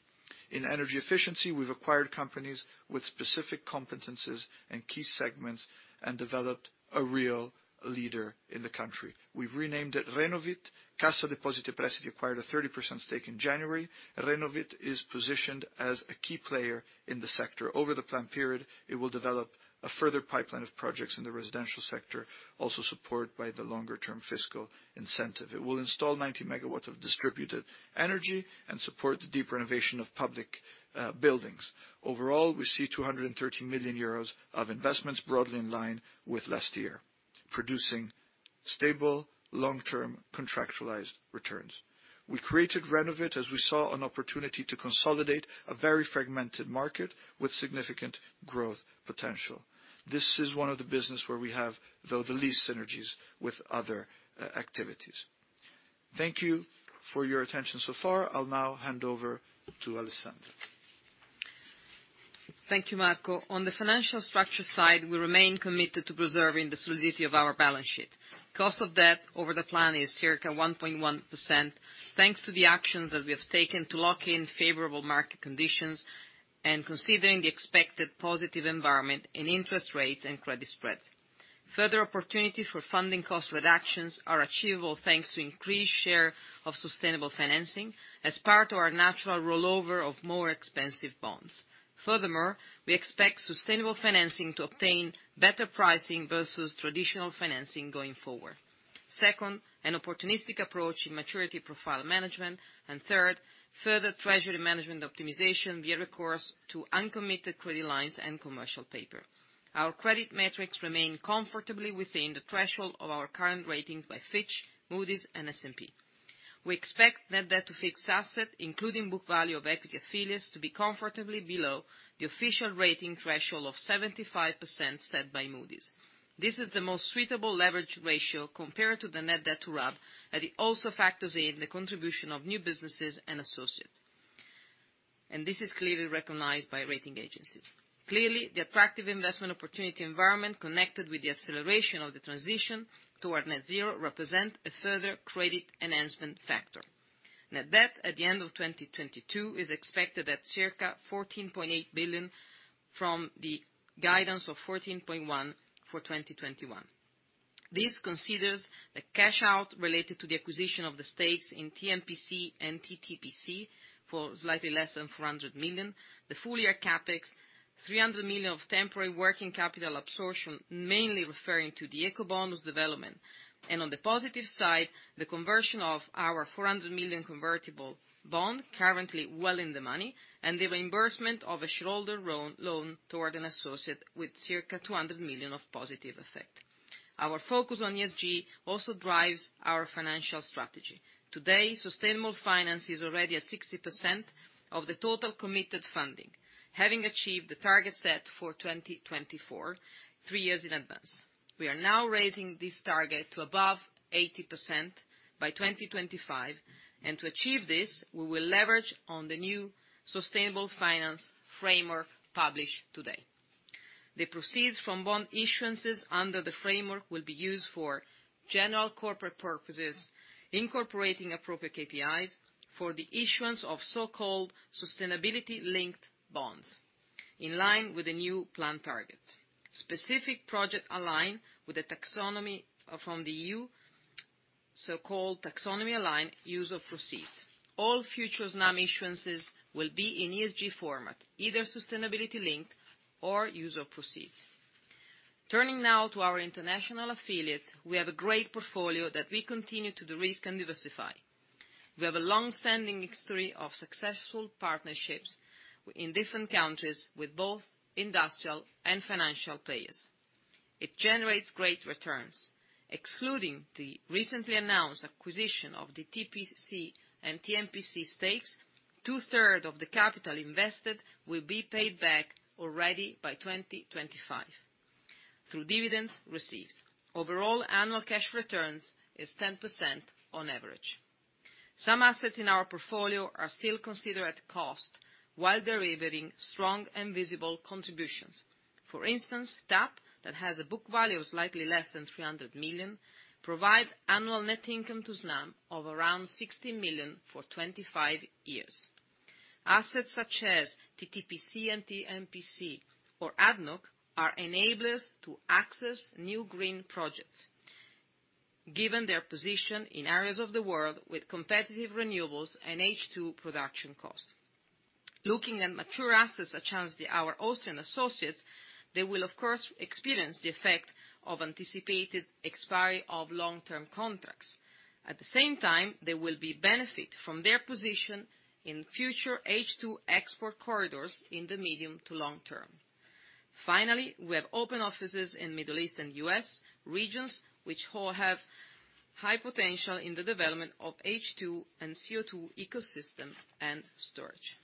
In energy efficiency, we've acquired companies with specific competencies in key segments and developed a real leader in the country. We've renamed it Renovit. Cassa Depositi e Prestiti acquired a 30% stake in January. Renovit is positioned as a key player in the sector. Over the planned period, it will develop a further pipeline of projects in the residential sector, also supported by the longer term fiscal incentive. It will install 90 MW of distributed energy and support the deep renovation of public buildings. Overall, we see 230 million euros of investments broadly in line with last year, producing stable, long-term contractualized returns. We created Renovit as we saw an opportunity to consolidate a very fragmented market with significant growth potential. This is one of the business where we have, though, the least synergies with other activities. Thank you for your attention so far. I'll now hand over to Alessandra. Thank you, Marco. On the financial structure side, we remain committed to preserving the solidity of our balance sheet. Cost of debt over the plan is circa 1.1%, thanks to the actions that we have taken to lock in favorable market conditions and considering the expected positive environment in interest rates and credit spreads. Further opportunities for funding cost reductions are achievable, thanks to increased share of sustainable financing as part of our natural rollover of more expensive bonds. Furthermore, we expect sustainable financing to obtain better pricing versus traditional financing going forward. Second, an opportunistic approach in maturity profile management. Third, further treasury management optimization via recourse to uncommitted credit lines and commercial paper. Our credit metrics remain comfortably within the threshold of our current rating by Fitch, Moody's, and S&P. We expect net debt to fixed asset, including book value of equity affiliates, to be comfortably below the official rating threshold of 75% set by Moody's. This is the most suitable leverage ratio compared to the net debt to RAB, as it also factors in the contribution of new businesses and associates. This is clearly recognized by rating agencies. Clearly, the attractive investment opportunity environment connected with the acceleration of the transition toward Net Zero represent a further credit enhancement factor. Net debt at the end of 2022 is expected at circa 14.8 billion from the guidance of 14.1 for 2021. This considers the cash out related to the acquisition of the stakes in TMPC and TTPC for slightly less than 400 million, the full year CapEx, 300 million of temporary working capital absorption, mainly referring to the Ecobonus development. On the positive side, the conversion of our 400 million convertible bond currently well in the money, and the reimbursement of a shareholder loan toward an associate with circa 200 million of positive effect. Our focus on ESG also drives our financial strategy. Today, sustainable finance is already at 60% of the total committed funding, having achieved the target set for 2024, three years in advance. We are now raising this target to above 80% by 2025, and to achieve this, we will leverage on the new sustainable finance framework published today. The proceeds from bond issuances under the framework will be used for general corporate purposes, incorporating appropriate KPIs for the issuance of so-called sustainability-linked bonds in line with the new plan target. Specific projects align with the taxonomy from the EU, so-called taxonomy-aligned use of proceeds. All future Snam issuances will be in ESG format, either sustainability-linked or use of proceeds. Turning now to our international affiliates, we have a great portfolio that we continue to de-risk and diversify. We have a long-standing history of successful partnerships in different countries with both industrial and financial players. It generates great returns. Excluding the recently announced acquisition of the TTPC and TMPC stakes, two-thirds of the capital invested will be paid back already by 2025 through dividends received. Overall annual cash returns is 10% on average. Some assets in our portfolio are still considered at cost while delivering strong and visible contributions. For instance, TAP, that has a book value of slightly less than 300 million, provide annual net income to Snam of around 60 million for 25 years. Assets such as TTPC and TMPC or ADNOC are enablers to access new green projects given their position in areas of the world with competitive renewables and H2 production costs. Looking at mature assets such as our Austrian associates, they will of course experience the effect of anticipated expiry of long-term contracts. At the same time, they will benefit from their position in future H2 export corridors in the medium to long term. Finally, we have opened offices in Middle East and U.S., regions which have high potential in the development of H2 and CO₂ ecosystem and storage.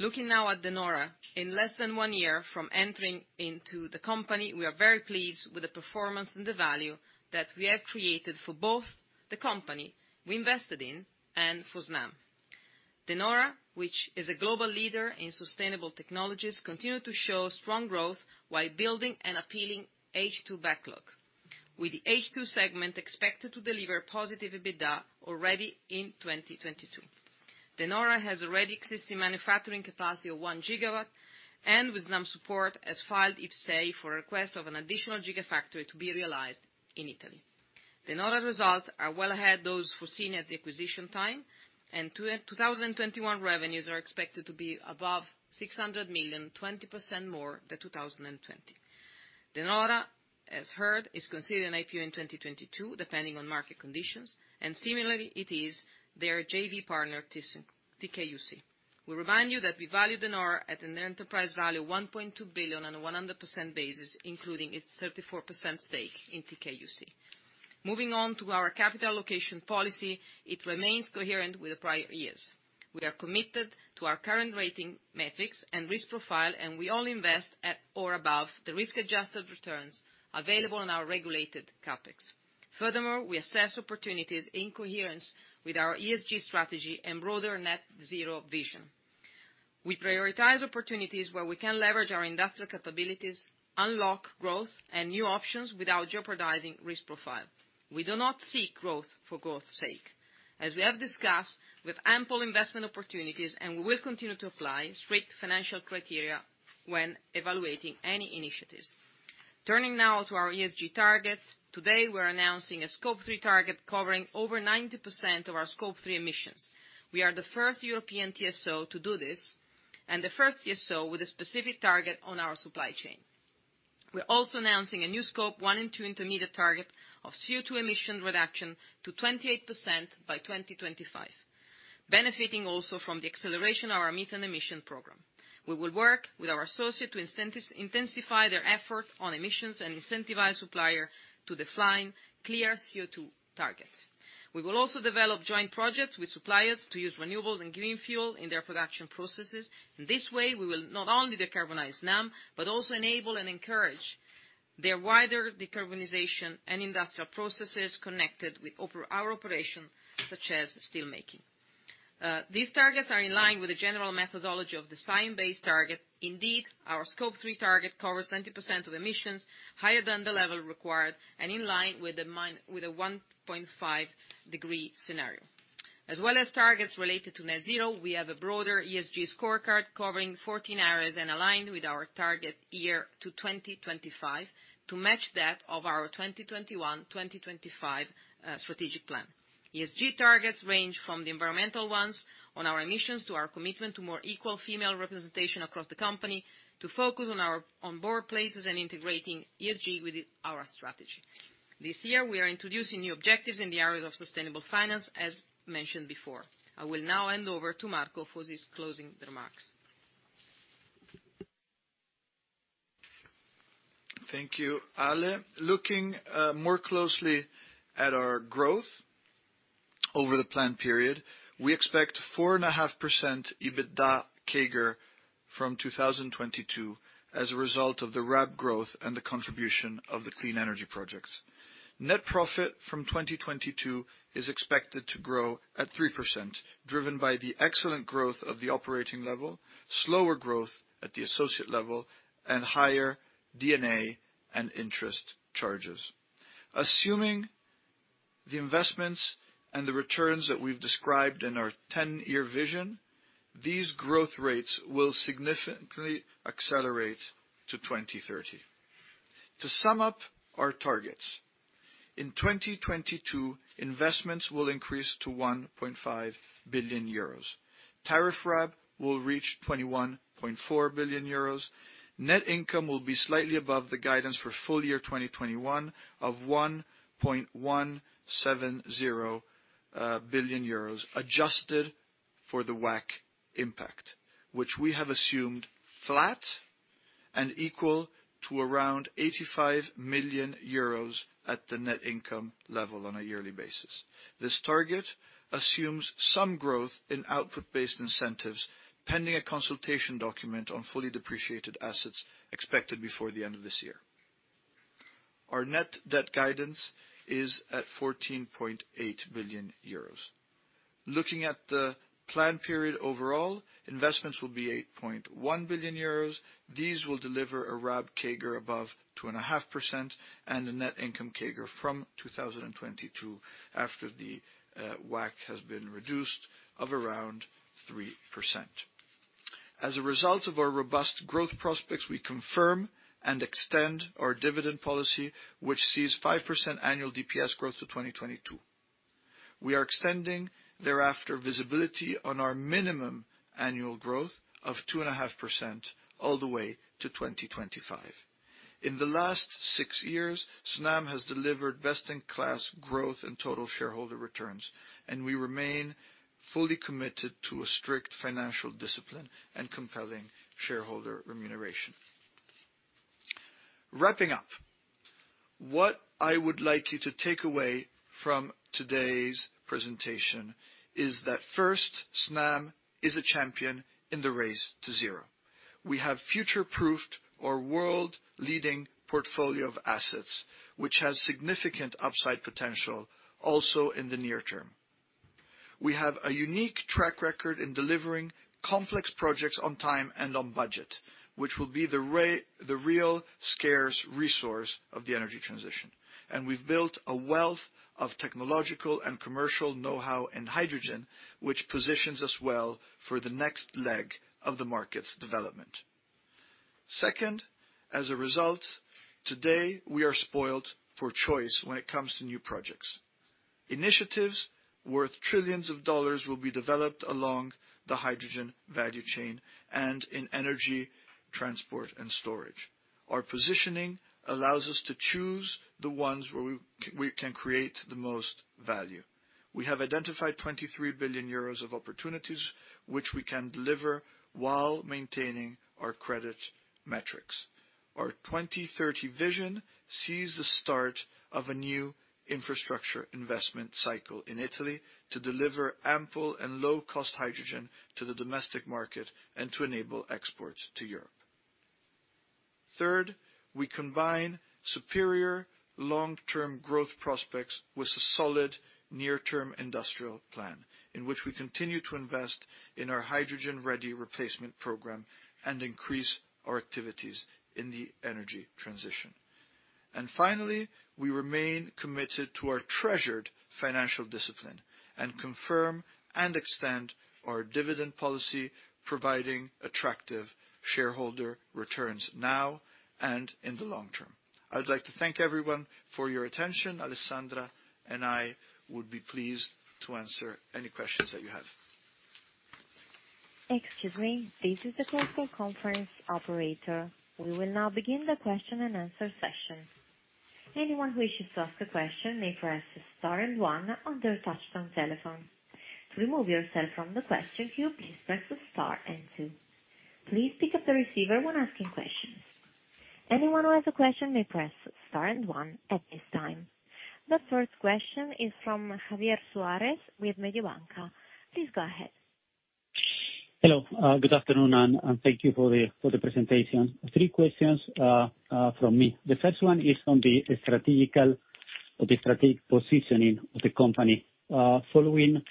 Looking now at De Nora. In less than one year from entering into the company, we are very pleased with the performance and the value that we have created for both the company we invested in and for Snam. De Nora, which is a global leader in sustainable technologies, continues to show strong growth while building an appealing H2 backlog, with the H2 segment expected to deliver positive EBITDA already in 2022. De Nora has already existing manufacturing capacity of 1 GW, and with Snam's support, has filed IPCEI request for an additional Gigafactory to be realized in Italy. De Nora results are well ahead of those foreseen at the acquisition time, and 2021 revenues are expected to be above 600 million, 20% more than 2020. De Nora, as heard, is considering an IPO in 2022, depending on market conditions, and similarly it is their JV partner, TKUCE. We remind you that we value De Nora at an enterprise value 1.2 billion on a 100% basis, including its 34% stake in TKUCE. Moving on to our capital allocation policy, it remains coherent with the prior years. We are committed to our current rating metrics and risk profile, and we only invest at or above the risk-adjusted returns available on our regulated CapEx. Furthermore, we assess opportunities in coherence with our ESG strategy and broader Net Zero vision. We prioritize opportunities where we can leverage our industrial capabilities, unlock growth and new options without jeopardizing risk profile. We do not seek growth for growth's sake. As we have discussed, with ample investment opportunities, and we will continue to apply strict financial criteria when evaluating any initiatives. Turning now to our ESG targets. Today, we're announcing a Scope 3 target covering over 90% of our Scope 3 emissions. We are the first European TSO to do this and the first TSO with a specific target on our supply chain. We're also announcing a new Scope 1 and 2 intermediate target of CO₂ emission reduction to 28% by 2025, benefiting also from the acceleration of our methane emission program. We will work with our associates to intensify their effort on emissions and incentivize supplier to define clear CO₂ targets. We will also develop joint projects with suppliers to use renewables and green fuel in their production processes. In this way, we will not only decarbonize Snam, but also enable and encourage their wider decarbonization and industrial processes connected with our operation, such as steel making. These targets are in line with the general methodology of the Science Based Targets initiative. Indeed, our Scope 3 target covers 90% of emissions higher than the level required and in line with the 1.5-degree scenario. As well as targets related to Net Zero, we have a broader ESG scorecard covering 14 areas and aligned with our target year to 2025 to match that of our 2021-2025 strategic plan. ESG targets range from the environmental ones on our emissions, to our commitment to more equal female representation across the company, to focus on board places and integrating ESG with our strategy. This year, we are introducing new objectives in the areas of sustainable finance, as mentioned before. I will now hand over to Marco for his closing remarks. Thank you, Ale. Looking more closely at our growth over the planned period, we expect 4.5% EBITDA CAGR from 2022 as a result of the RAB growth and the contribution of the clean energy projects. Net profit from 2022 is expected to grow at 3%, driven by the excellent growth of the operating level, slower growth at the associate level, and higher D&A and interest charges. Assuming the investments and the returns that we've described in our ten-year vision, these growth rates will significantly accelerate to 2030. To sum up our targets, in 2022, investments will increase to 1.5 billion euros. Tariff RAB will reach 21.4 billion euros. Net income will be slightly above the guidance for full year 2021 of 1.170 billion euros, adjusted for the WACC impact, which we have assumed flat and equal to around 85 million euros at the net income level on a yearly basis. This target assumes some growth in output-based incentives, pending a consultation document on fully depreciated assets expected before the end of this year. Our net debt guidance is at 14.8 billion euros. Looking at the plan period overall, investments will be 8.1 billion euros. These will deliver a RAB CAGR above 2.5% and a net income CAGR from 2022, after the WACC has been reduced, of around 3%. As a result of our robust growth prospects, we confirm and extend our dividend policy, which sees 5% annual DPS growth to 2022. We are extending thereafter visibility on our minimum annual growth of 2.5% all the way to 2025. In the last six years, Snam has delivered best in class growth and total shareholder returns, and we remain fully committed to a strict financial discipline and compelling shareholder remuneration. Wrapping up, what I would like you to take away from today's presentation is that first, Snam is a champion in the race to zero. We have future-proofed our world-leading portfolio of assets, which has significant upside potential also in the near term. We have a unique track record in delivering complex projects on time and on budget, which will be the real scarce resource of the energy transition. We've built a wealth of technological and commercial know-how in hydrogen, which positions us well for the next leg of the market's development. Second, as a result, today we are spoiled for choice when it comes to new projects. Initiatives worth trillions of dollars will be developed along the hydrogen value chain and in energy transport and storage. Our positioning allows us to choose the ones where we can create the most value. We have identified 23 billion euros of opportunities which we can deliver while maintaining our credit metrics. Our 2030 vision sees the start of a new infrastructure investment cycle in Italy to deliver ample and low-cost hydrogen to the domestic market and to enable exports to Europe. Third, we combine superior long-term growth prospects with a solid near-term industrial plan, in which we continue to invest in our hydrogen-ready replacement program and increase our activities in the energy transition. Finally, we remain committed to our treasured financial discipline and confirm and extend our dividend policy, providing attractive shareholder returns now and in the long term. I would like to thank everyone for your attention. Alessandra and I would be pleased to answer any questions that you have. Excuse me. This is the global conference operator. We will now begin the question and answer session. Anyone who wishes to ask a question may press star and one on their touch-tone telephone. To remove yourself from the question queue, please press star and two. Please pick up the receiver when asking questions. Anyone who has a question may press star and one at this time. The first question is from Javier Suarez with Mediobanca. Please go ahead. Hello. Good afternoon, and thank you for the presentation. Three questions from me. The first one is on the strategical, or the strategic positioning of the company. Following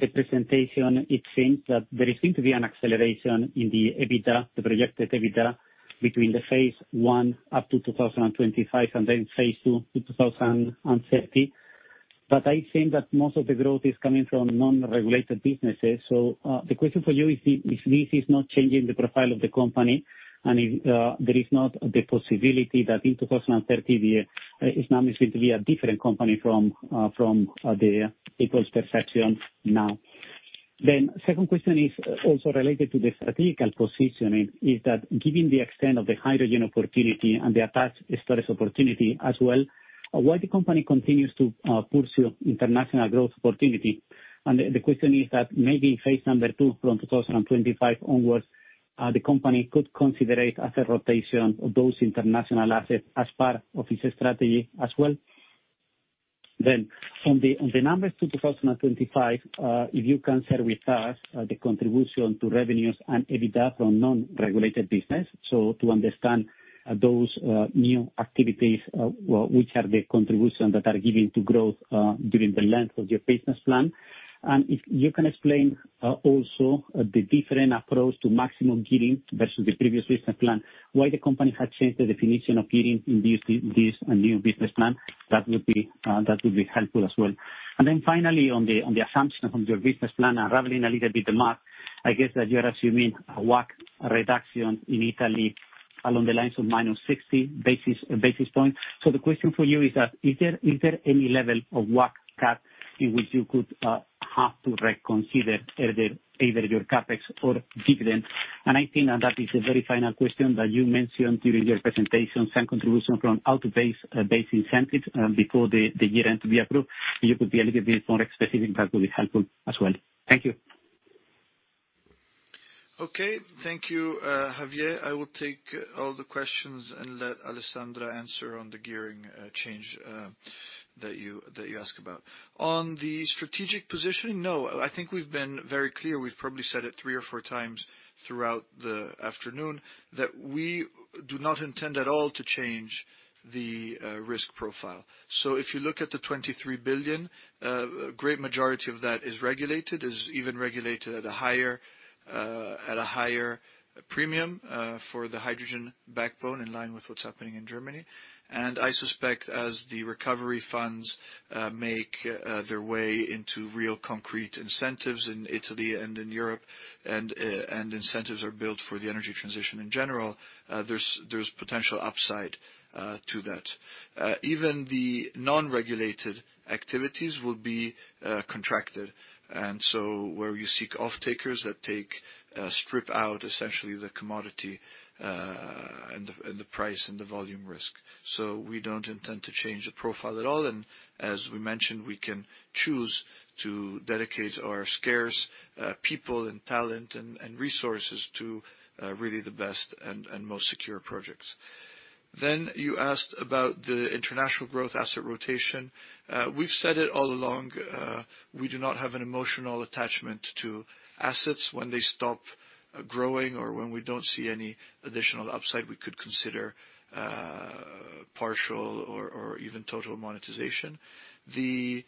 the presentation, it seems that there is going to be an acceleration in the EBITDA, the projected EBITDA, between phase I up to 2025 and then phase II to 2030. I think that most of the growth is coming from non-regulated businesses. The question for you is if this is not changing the profile of the company, and if there is not the possibility that in 2030 the Snam is going to be a different company from the people's perception now. Second question is also related to the strategic positioning is that given the extent of the hydrogen opportunity and the attached storage opportunity as well, why the company continues to pursue international growth opportunity? And the question is that maybe phase number two from 2025 onwards, the company could consider asset rotation of those international assets as part of its strategy as well. On the numbers to 2025, if you can share with us the contribution to revenues and EBITDA from non-regulated business, so to understand those new activities, which are the contribution that are giving to growth during the length of your business plan. If you can explain also the different approach to maximum gearing versus the previous business plan, why the company has changed the definition of gearing in this new business plan, that would be helpful as well. Finally, on the assumption from your business plan, unraveling a little bit the math, I guess that you are assuming a WACC reduction in Italy along the lines of minus 60 basis points. The question for you is that is there any level of WACC cut in which you could have to reconsider either your CapEx or dividend? I think that is the very final question that you mentioned during your presentation, some contribution from out of base base incentives before the year-end to be approved. If you could be a little bit more specific, that would be helpful as well. Thank you. Okay. Thank you, Javier. I will take all the questions and let Alessandra answer on the gearing change that you ask about. On the strategic positioning, no, I think we've been very clear. We've probably said it three or four times throughout the afternoon that we do not intend at all to change the risk profile. So if you look at the 23 billion, a great majority of that is regulated, even regulated at a higher premium for the hydrogen backbone in line with what's happening in Germany. I suspect as the recovery funds make their way into real concrete incentives in Italy and in Europe, and incentives are built for the energy transition in general, there's potential upside to that. Even the non-regulated activities will be contracted, and so we'll seek off-takers that strip out essentially the commodity and the price and the volume risk. We don't intend to change the profile at all, and as we mentioned, we can choose to dedicate our scarce people and talent and resources to really the best and most secure projects. You asked about the international growth asset rotation. We've said it all along, we do not have an emotional attachment to assets. When they stop growing or when we don't see any additional upside, we could consider partial or even total monetization. The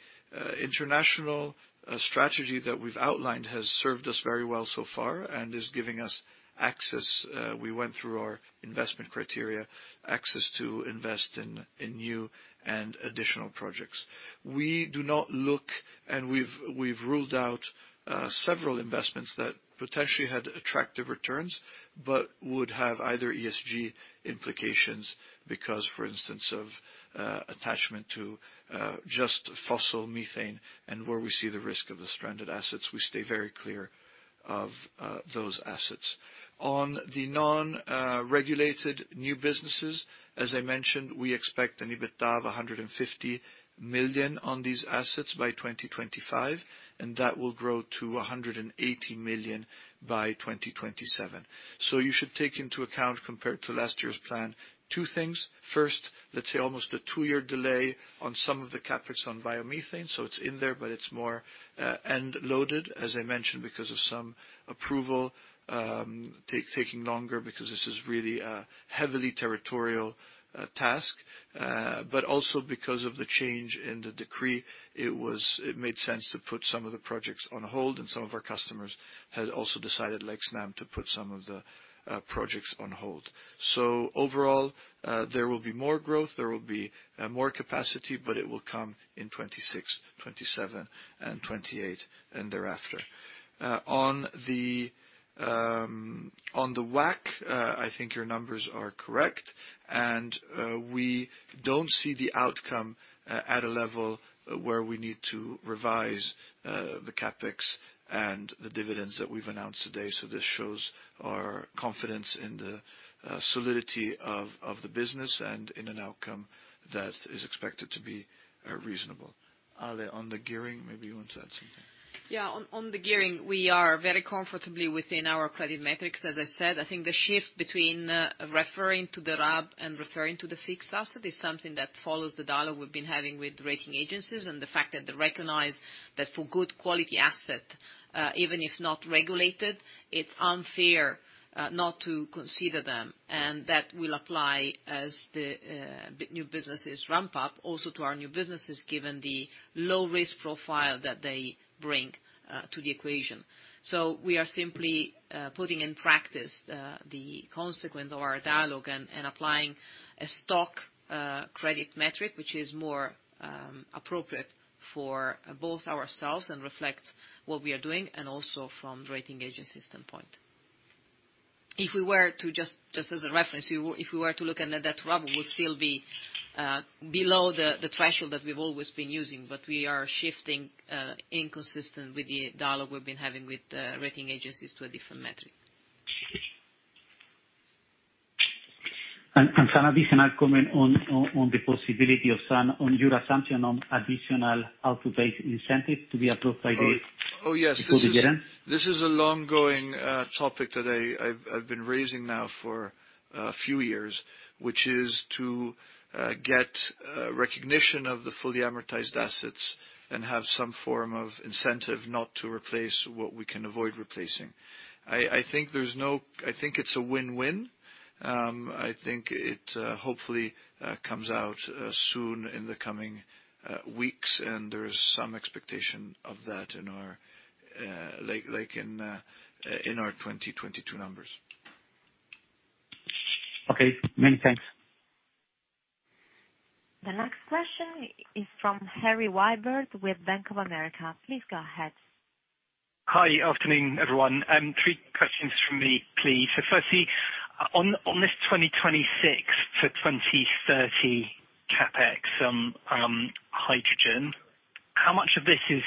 international strategy that we've outlined has served us very well so far and is giving us access. We went through our investment criteria to invest in new and additional projects. We do not look, and we've ruled out several investments that potentially had attractive returns, but would have either ESG implications because, for instance, of attachment to just fossil methane. Where we see the risk of the stranded assets, we stay very clear of those assets. On the non-regulated new businesses, as I mentioned, we expect an EBITDA of 150 million on these assets by 2025, and that will grow to 180 million by 2027. You should take into account, compared to last year's plan, two things. First, let's say almost a two-year delay on some of the CapEx on biomethane, so it's in there, but it's more end-loaded, as I mentioned, because of some approval taking longer because this is really a heavily territorial task. Also because of the change in the decree, it made sense to put some of the projects on hold, and some of our customers had also decided, like Snam, to put some of the projects on hold. Overall, there will be more growth, there will be more capacity, but it will come in 2026, 2027, and 2028, and thereafter. On the WACC, I think your numbers are correct, and we don't see the outcome at a level where we need to revise the CapEx and the dividends that we've announced today. This shows our confidence in the solidity of the business and in an outcome that is expected to be reasonable. Ale, on the gearing, maybe you want to add something. On the gearing, we are very comfortably within our credit metrics, as I said. I think the shift between referring to the RAB and referring to the fixed asset is something that follows the dialogue we've been having with rating agencies and the fact that they recognize that for good quality asset, even if not regulated, it's unfair not to consider them. That will apply as the new businesses ramp up, also to our new businesses, given the low risk profile that they bring to the equation. We are simply putting in practice the consequence of our dialogue and applying a strong credit metric, which is more appropriate for both ourselves and reflects what we are doing and also from the rating agency standpoint. If we were to just as a reference, if we were to look at net debt to RAB, we'll still be below the threshold that we've always been using. We are shifting consistent with the dialogue we've been having with the rating agencies to a different metric. Some of these are not commenting on the possibility of Snam on your assumption on additional output-based incentive to be approved by the- Oh, yes. Code of governance. This is a long-going topic today I've been raising now for a few years, which is to get recognition of the fully amortized assets and have some form of incentive not to replace what we can avoid replacing. I think it's a win-win. I think it hopefully comes out soon in the coming weeks, and there's some expectation of that in our like in our 2022 numbers. Okay. Many thanks. The next question is from Harry Wyburd with Bank of America. Please go ahead. Hi. Afternoon, everyone. Three questions from me, please. Firstly, on this 2026 to 2030 CapEx, hydrogen, how much of this is.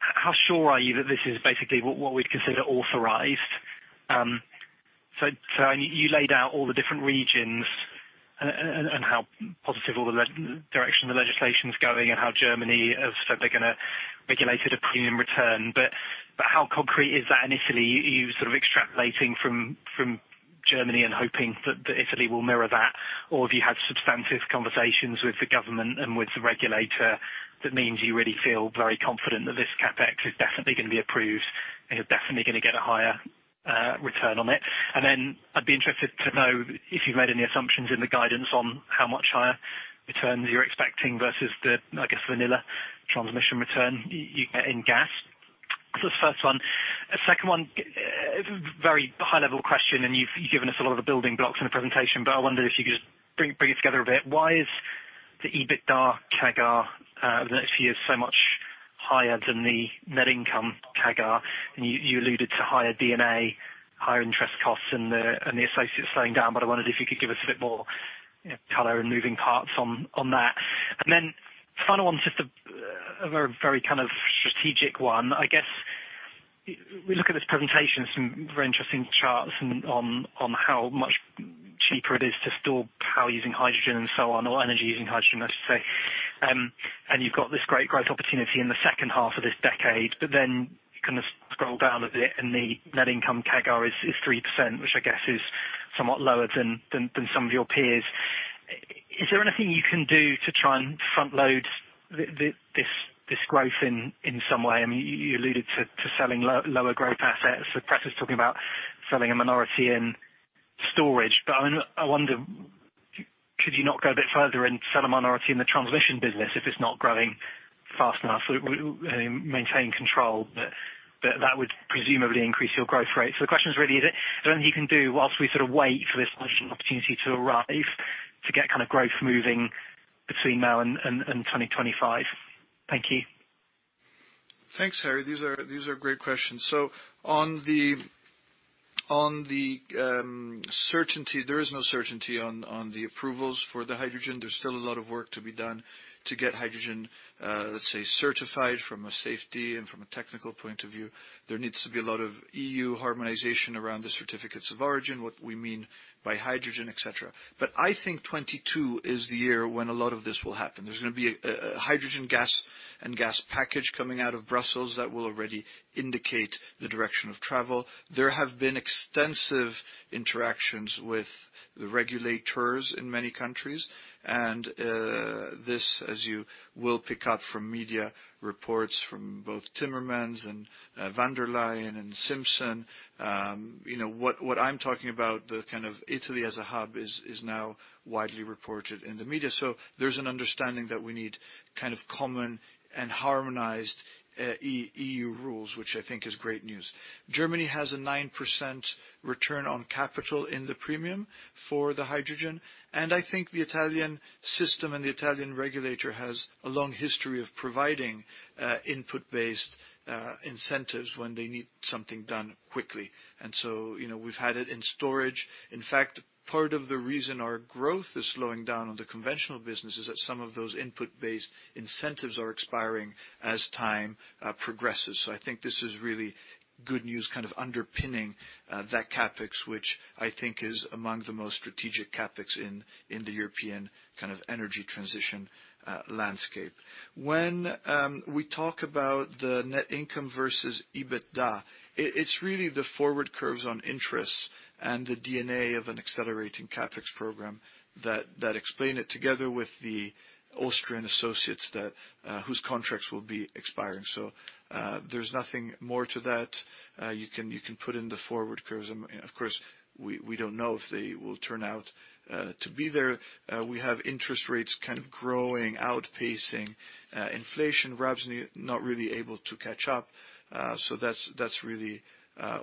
How sure are you that this is basically what we'd consider authorized. You laid out all the different regions and how positive all the direction the legislation is going and how Germany has said they're gonna regulate at a premium return. But how concrete is that in Italy. You sort of extrapolating from Germany and hoping that Italy will mirror that. Or have you had substantive conversations with the government and with the regulator that means you really feel very confident that this CapEx is definitely gonna be approved, and you're definitely gonna get a higher return on it. Then I'd be interested to know if you've made any assumptions in the guidance on how much higher returns you're expecting versus the, I guess, vanilla transmission return you get in gas. The first one. Second one, very high level question, and you've given us a lot of the building blocks in the presentation, but I wonder if you could just bring it together a bit. Why is the EBITDA CAGR over the next few years so much higher than the net income CAGR? And you alluded to higher D&A, higher interest costs and the associates slowing down. But I wondered if you could give us a bit more, you know, color and moving parts on that. Then the final one, just a very kind of strategic one. I guess we look at this presentation, some very interesting charts on how much cheaper it is to store power using hydrogen and so on, or energy using hydrogen, I should say. You've got this great growth opportunity in the second half of this decade, but then you kind of scroll down a bit and the net income CAGR is 3%, which I guess is somewhat lower than some of your peers. Is there anything you can do to try and front load this growth in some way? I mean, you alluded to selling lower growth assets. Press is talking about selling a minority in storage. I wonder, could you not go a bit further and sell a minority in the transmission business if it's not growing fast enough? Maintain control, but that would presumably increase your growth rate. The question is really, is there anything you can do while we sort of wait for this opportunity to arrive to get kind of growth moving between now and 2025? Thank you. Thanks, Harry. These are great questions. On the certainty, there is no certainty on the approvals for the hydrogen. There's still a lot of work to be done to get hydrogen, let's say, certified from a safety and from a technical point of view. There needs to be a lot of EU harmonization around the certificates of origin, what we mean by hydrogen, etc. I think 2022 is the year when a lot of this will happen. There's gonna be a hydrogen and gas package coming out of Brussels that will already indicate the direction of travel. There have been extensive interactions with the regulators in many countries, and this, as you will pick up from media reports from both Timmermans and von der Leyen and Simson. You know what I'm talking about, the kind of Italy as a hub is now widely reported in the media. There's an understanding that we need kind of common and harmonized EU rules, which I think is great news. Germany has a 9% return on capital in the premium for the hydrogen, and I think the Italian system and the Italian regulator has a long history of providing input-based incentives when they need something done quickly. You know, we've had it in storage. In fact, part of the reason our growth is slowing down on the conventional business is that some of those input-based incentives are expiring as time progresses. I think this is really good news, kind of underpinning that CapEx, which I think is among the most strategic CapEx in the European kind of energy transition landscape. When we talk about the net income versus EBITDA, it's really the forward curves on interest and the D&A of an accelerating CapEx program that explain it together with the Austrian associates that whose contracts will be expiring. There's nothing more to that. You can put in the forward curves. Of course, we don't know if they will turn out to be there. We have interest rates kind of growing, outpacing inflation, RABs not really able to catch up. That's really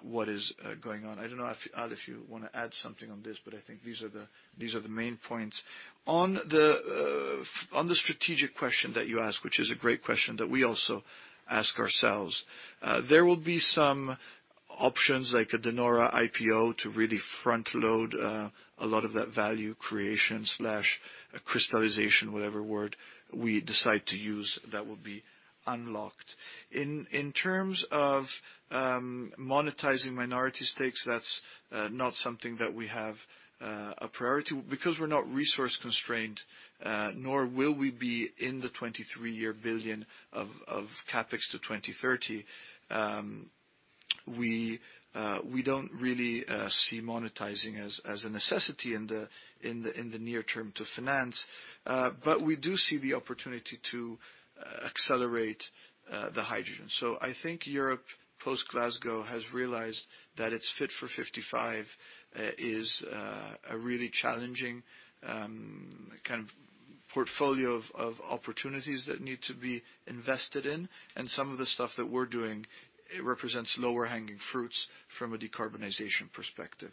what is going on. I don't know if, Ale, if you wanna add something on this, but I think these are the main points. On the strategic question that you asked, which is a great question that we also ask ourselves, there will be some options like a De Nora IPO to really front-load a lot of that value creation slash crystallization, whatever word we decide to use, that will be unlocked. In terms of monetizing minority stakes, that's not something that we have a priority. Because we're not resource constrained, nor will we be in the 23 billion of CapEx to 2030, we don't really see monetizing as a necessity in the near term to finance. We do see the opportunity to accelerate the hydrogen. I think Europe, post Glasgow, has realized that its Fit for 55 is a really challenging kind of portfolio of opportunities that need to be invested in. Some of the stuff that we're doing, it represents lower-hanging fruits from a decarbonization perspective.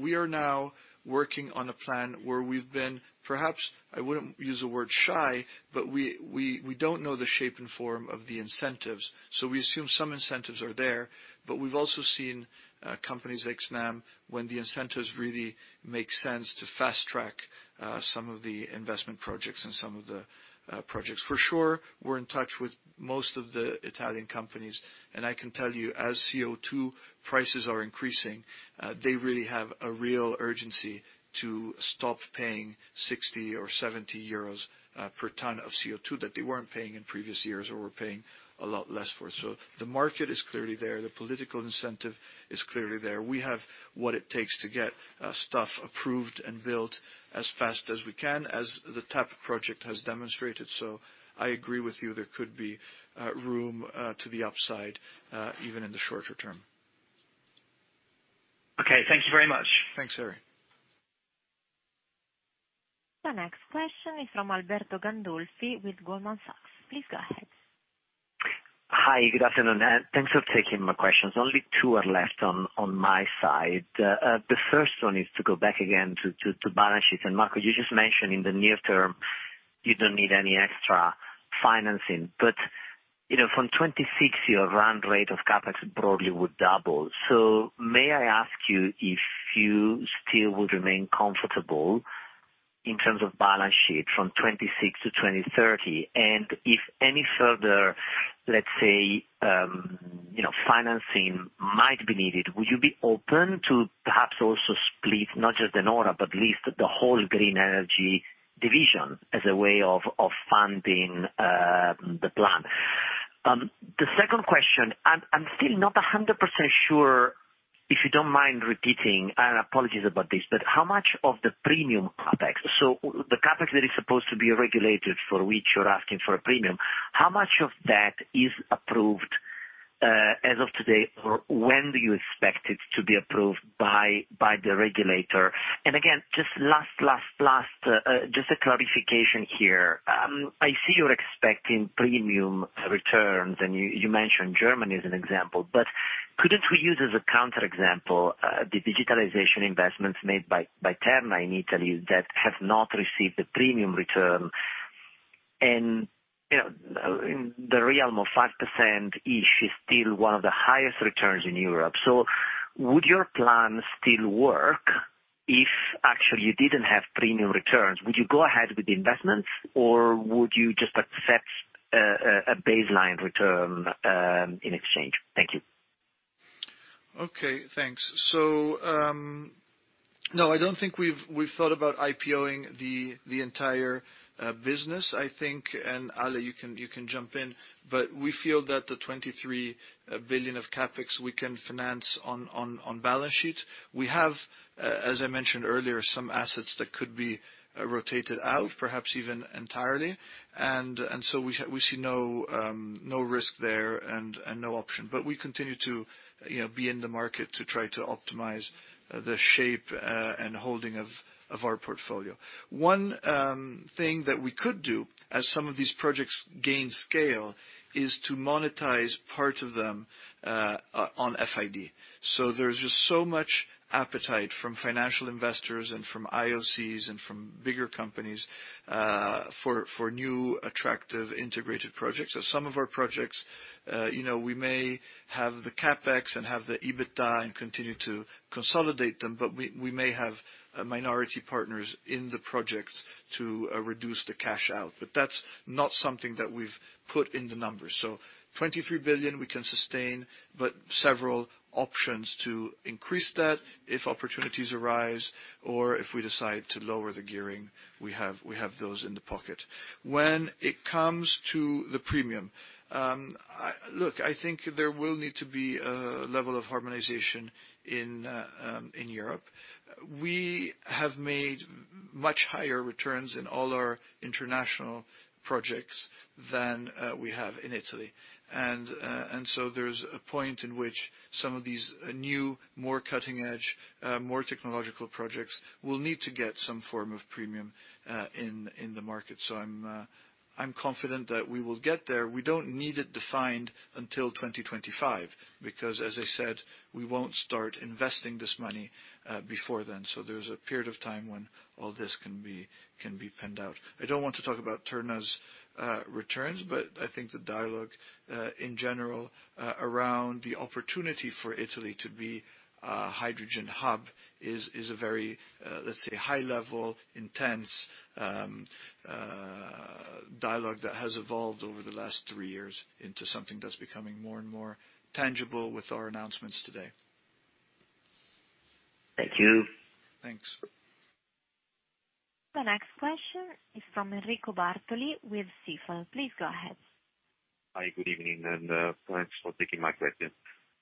We are now working on a plan where we've been, perhaps I wouldn't use the word shy, but we don't know the shape and form of the incentives. We assume some incentives are there, but we've also seen companies like Snam, when the incentives really make sense to fast-track some of the investment projects and some of the projects. For sure, we're in touch with most of the Italian companies, and I can tell you as CO₂ prices are increasing, they really have a real urgency to stop paying 60 or 70 euros per ton of CO₂ that they weren't paying in previous years or were paying a lot less for. The market is clearly there, the political incentive is clearly there. We have what it takes to get stuff approved and built as fast as we can, as the TAP project has demonstrated. I agree with you, there could be room to the upside even in the shorter term. Okay. Thank you very much. Thanks, Harry. The next question is from Alberto Gandolfi with Goldman Sachs. Please go ahead. Hi. Good afternoon, and thanks for taking my questions. Only two are left on my side. The first one is to go back again to balance sheet. Marco, you just mentioned in the near term you don't need any extra financing. You know, from 2026 your run rate of CapEx broadly would double. May I ask you if you still would remain comfortable in terms of balance sheet from 2026 to 2030? And if any further, let's say, you know, financing might be needed, would you be open to perhaps also split, not just De Nora, but at least the whole green energy division as a way of funding the plan? The second question, I'm still not 100% sure, if you don't mind repeating, and apologies about this, but how much of the premium CapEx, so the CapEx that is supposed to be regulated for which you're asking for a premium, how much of that is approved, as of today, or when do you expect it to be approved by the regulator? Again, just a clarification here. I see you're expecting premium returns, and you mentioned Germany as an example. Couldn't we use as a counter example, the digitalization investments made by Terna in Italy that have not received the premium return? You know, the realm of 5%-ish is still one of the highest returns in Europe. Would your plan still work if actually you didn't have premium returns? Would you go ahead with the investments, or would you just accept a baseline return in exchange? Thank you. Okay, thanks. I don't think we've thought about IPO-ing the entire business. I think, and Ale, you can jump in, but we feel that the 23 billion of CapEx we can finance on balance sheet. We have, as I mentioned earlier, some assets that could be rotated out, perhaps even entirely. And so we see no risk there and no option. We continue to, you know, be in the market to try to optimize the shape and holding of our portfolio. One thing that we could do as some of these projects gain scale is to monetize part of them on FID. There's just so much appetite from financial investors and from IOCs and from bigger companies for new, attractive integrated projects. Some of our projects, you know, we may have the CapEx and have the EBITDA and continue to consolidate them, but we may have minority partners in the projects to reduce the cash out. That's not something that we've put in the numbers. 23 billion we can sustain, but several options to increase that if opportunities arise or if we decide to lower the gearing we have, we have those in the pocket. When it comes to the premium, Look, I think there will need to be a level of harmonization in Europe. We have made much higher returns in all our international projects than we have in Italy. There's a point in which some of these new, more cutting-edge, more technological projects will need to get some form of premium in the market. I'm confident that we will get there. We don't need it defined until 2025, because as I said, we won't start investing this money before then. There's a period of time when all this can be penned out. I don't want to talk about Terna's returns, but I think the dialogue in general around the opportunity for Italy to be a hydrogen hub is a very, let's say, high level, intense dialogue that has evolved over the last three years into something that's becoming more and more tangible with our announcements today. Thank you. Thanks. The next question is from Enrico Bartoli with Stifel. Please go ahead. Hi, good evening, and thanks for taking my question.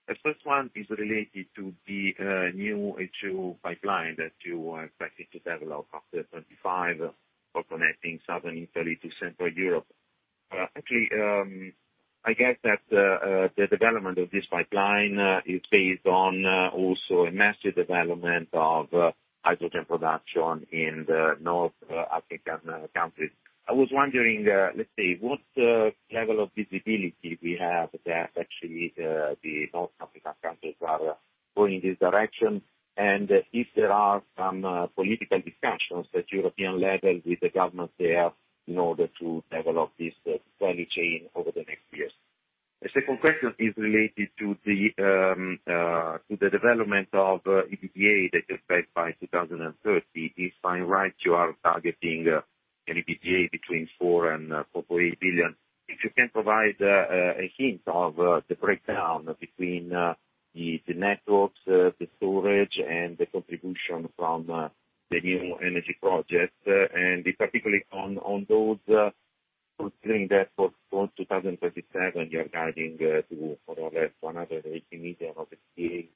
The first one is related to the new H2 pipeline that you are expecting to develop after 25 for connecting Southern Italy to Central Europe. Actually, I guess that the development of this pipeline is based on also a massive development of hydrogen production in the North African countries. I was wondering, let's say, what level of visibility we have that actually the North African countries are going this direction, and if there are some political discussions at European level with the government there in order to develop this value chain over the next years. The second question is related to the development of EBITDA that you expect by 2030. If I'm right, you are targeting an EBITDA between 4 billion and 4.8 billion. If you can provide a hint of the breakdown between the networks, the storage and the contribution from the new energy projects, and particularly on those, considering that for 2027, you are guiding to more or less 180 million of EBITDA,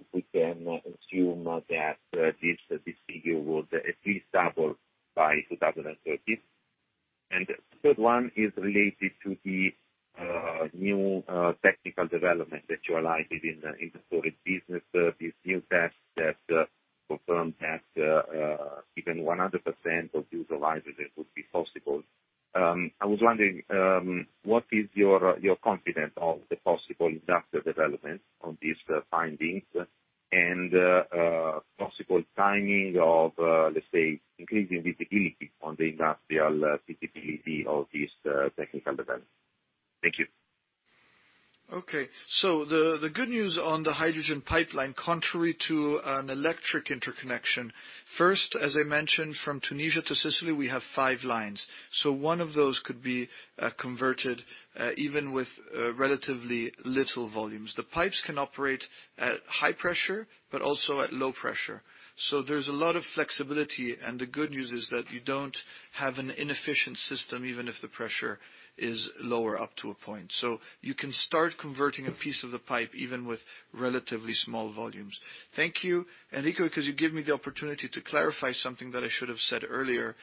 if we can assume that this figure would at least double by 2030. The third one is related to the new technical development that you highlighted in the storage business. These new tests that confirm that even 100% of utilization would be possible. I was wondering what is your confidence of the possible industrial development of these findings and possible timing of, let's say, increasing visibility on the industrial suitability of this technical development. Thank you. Okay. The good news on the hydrogen pipeline, contrary to an electric interconnection, first, as I mentioned, from Tunisia to Sicily, we have five lines, so one of those could be converted even with relatively little volumes. The pipes can operate at high pressure, but also at low pressure. There's a lot of flexibility, and the good news is that you don't have an inefficient system, even if the pressure is lower up to a point. You can start converting a piece of the pipe even with relatively small volumes. Thank you, Enrico, because you gave me the opportunity to clarify something that I should have said earlier.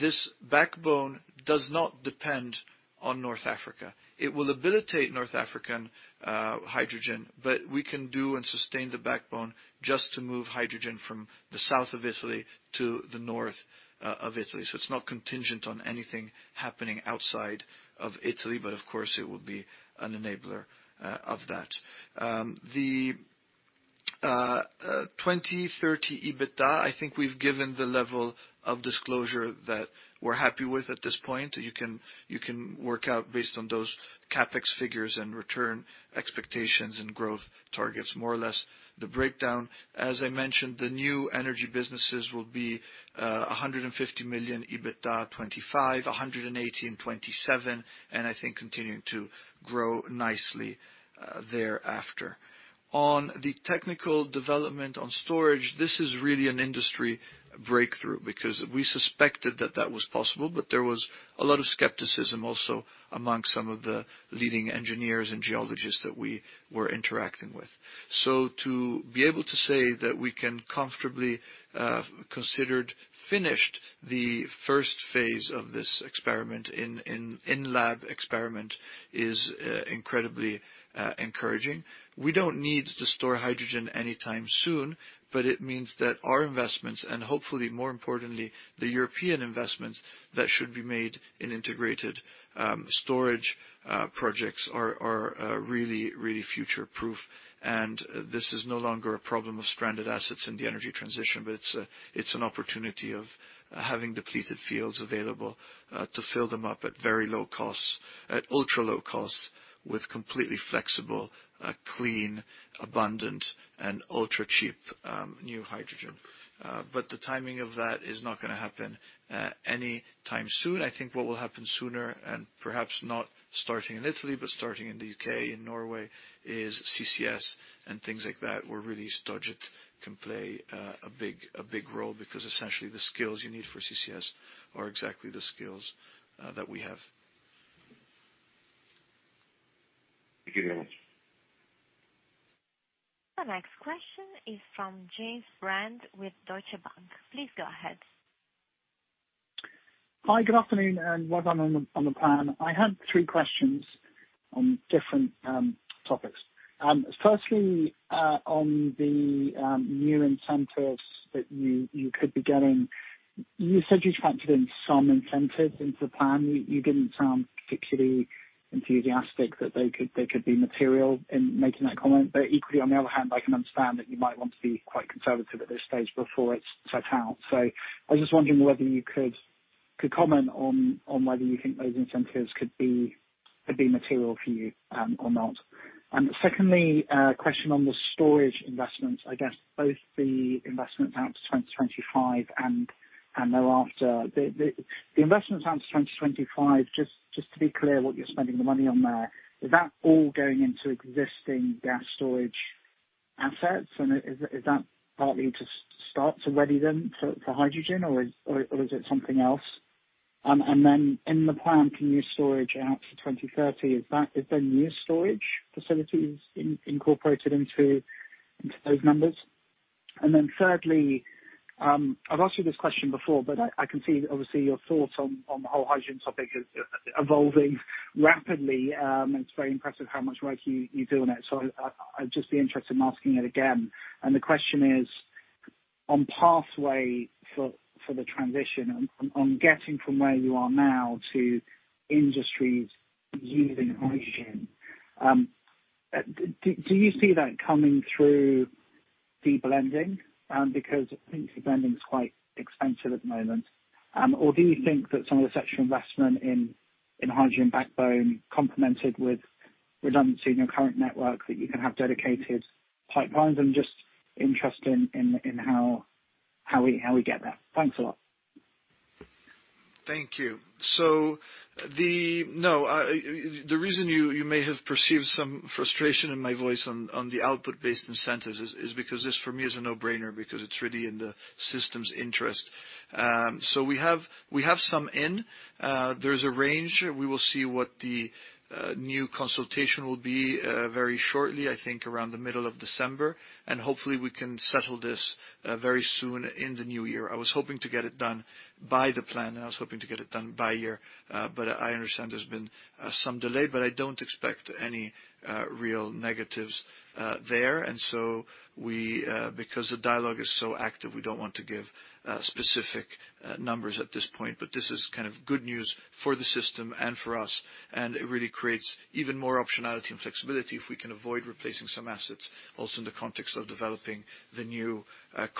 This backbone does not depend on North Africa. It will facilitate North African hydrogen, but we can do and sustain the backbone just to move hydrogen from the south of Italy to the north of Italy. It's not contingent on anything happening outside of Italy, but of course, it will be an enabler of that. The 2030 EBITDA, I think we've given the level of disclosure that we're happy with at this point. You can work out based on those CapEx figures and return expectations and growth targets, more or less the breakdown. As I mentioned, the new energy businesses will be 150 million EBITDA 2025, 180 million 2027, and I think continuing to grow nicely thereafter. On the technical development on storage, this is really an industry breakthrough because we suspected that that was possible, but there was a lot of skepticism also among some of the leading engineers and geologists that we were interacting with. To be able to say that we can comfortably consider it finished the first phase of this in-lab experiment is incredibly encouraging. We don't need to store hydrogen anytime soon, but it means that our investments and hopefully more importantly, the European investments that should be made in integrated storage projects are really future-proof. This is no longer a problem of stranded assets in the energy transition, but it's an opportunity of having depleted fields available to fill them up at very low costs, at ultra-low costs, with completely flexible, clean, abundant, and ultra-cheap new hydrogen. The timing of that is not gonna happen any time soon. I think what will happen sooner, and perhaps not starting in Italy, but starting in the U.K. and Norway, is CCS and things like that, where really Stogit can play a big role, because essentially the skills you need for CCS are exactly the skills that we have. Thank you very much. The next question is from James Brand with Deutsche Bank. Please go ahead. Hi, good afternoon, and well done on the plan. I had three questions on different topics. Firstly, on the new incentives that you could be getting. You said you factored in some incentives into the plan. You didn't sound particularly enthusiastic that they could be material in making that comment. But equally, on the other hand, I can understand that you might want to be quite conservative at this stage before it's set out. I was just wondering whether you could comment on whether you think those incentives could be material for you, or not. Secondly, question on the storage investments, I guess both the investments out to 2025 and thereafter. The investments out to 2025, just to be clear what you're spending the money on there, is that all going into existing gas storage assets, and is that partly to start to ready them for hydrogen, or is it something else? And then in the plan, gas storage out to 2030. Is there new storage facilities incorporated into those numbers? And then thirdly, I've asked you this question before, but I can see obviously your thoughts on the whole hydrogen topic is evolving rapidly. It's very impressive how much work you do on it. I'd just be interested in asking it again. The question is, on pathway for the transition on getting from where you are now to industries using hydrogen. Do you see that coming through deblending? Because I think deblending is quite expensive at the moment. Or do you think that some of the sector investment in hydrogen backbone complemented with redundancy in your current network, that you can have dedicated pipelines? I'm just interested in how we get there. Thanks a lot. Thank you. No, the reason you may have perceived some frustration in my voice on the output-based incentives is because this for me is a no-brainer, because it's really in the system's interest. We have some in. There's a range. We will see what the new consultation will be very shortly, I think, around the middle of December, and hopefully we can settle this very soon in the new year. I was hoping to get it done by the plan, and I was hoping to get it done by year, but I understand there's been some delay, but I don't expect any real negatives there. Because the dialogue is so active, we don't want to give specific numbers at this point. This is kind of good news for the system and for us, and it really creates even more optionality and flexibility if we can avoid replacing some assets also in the context of developing the new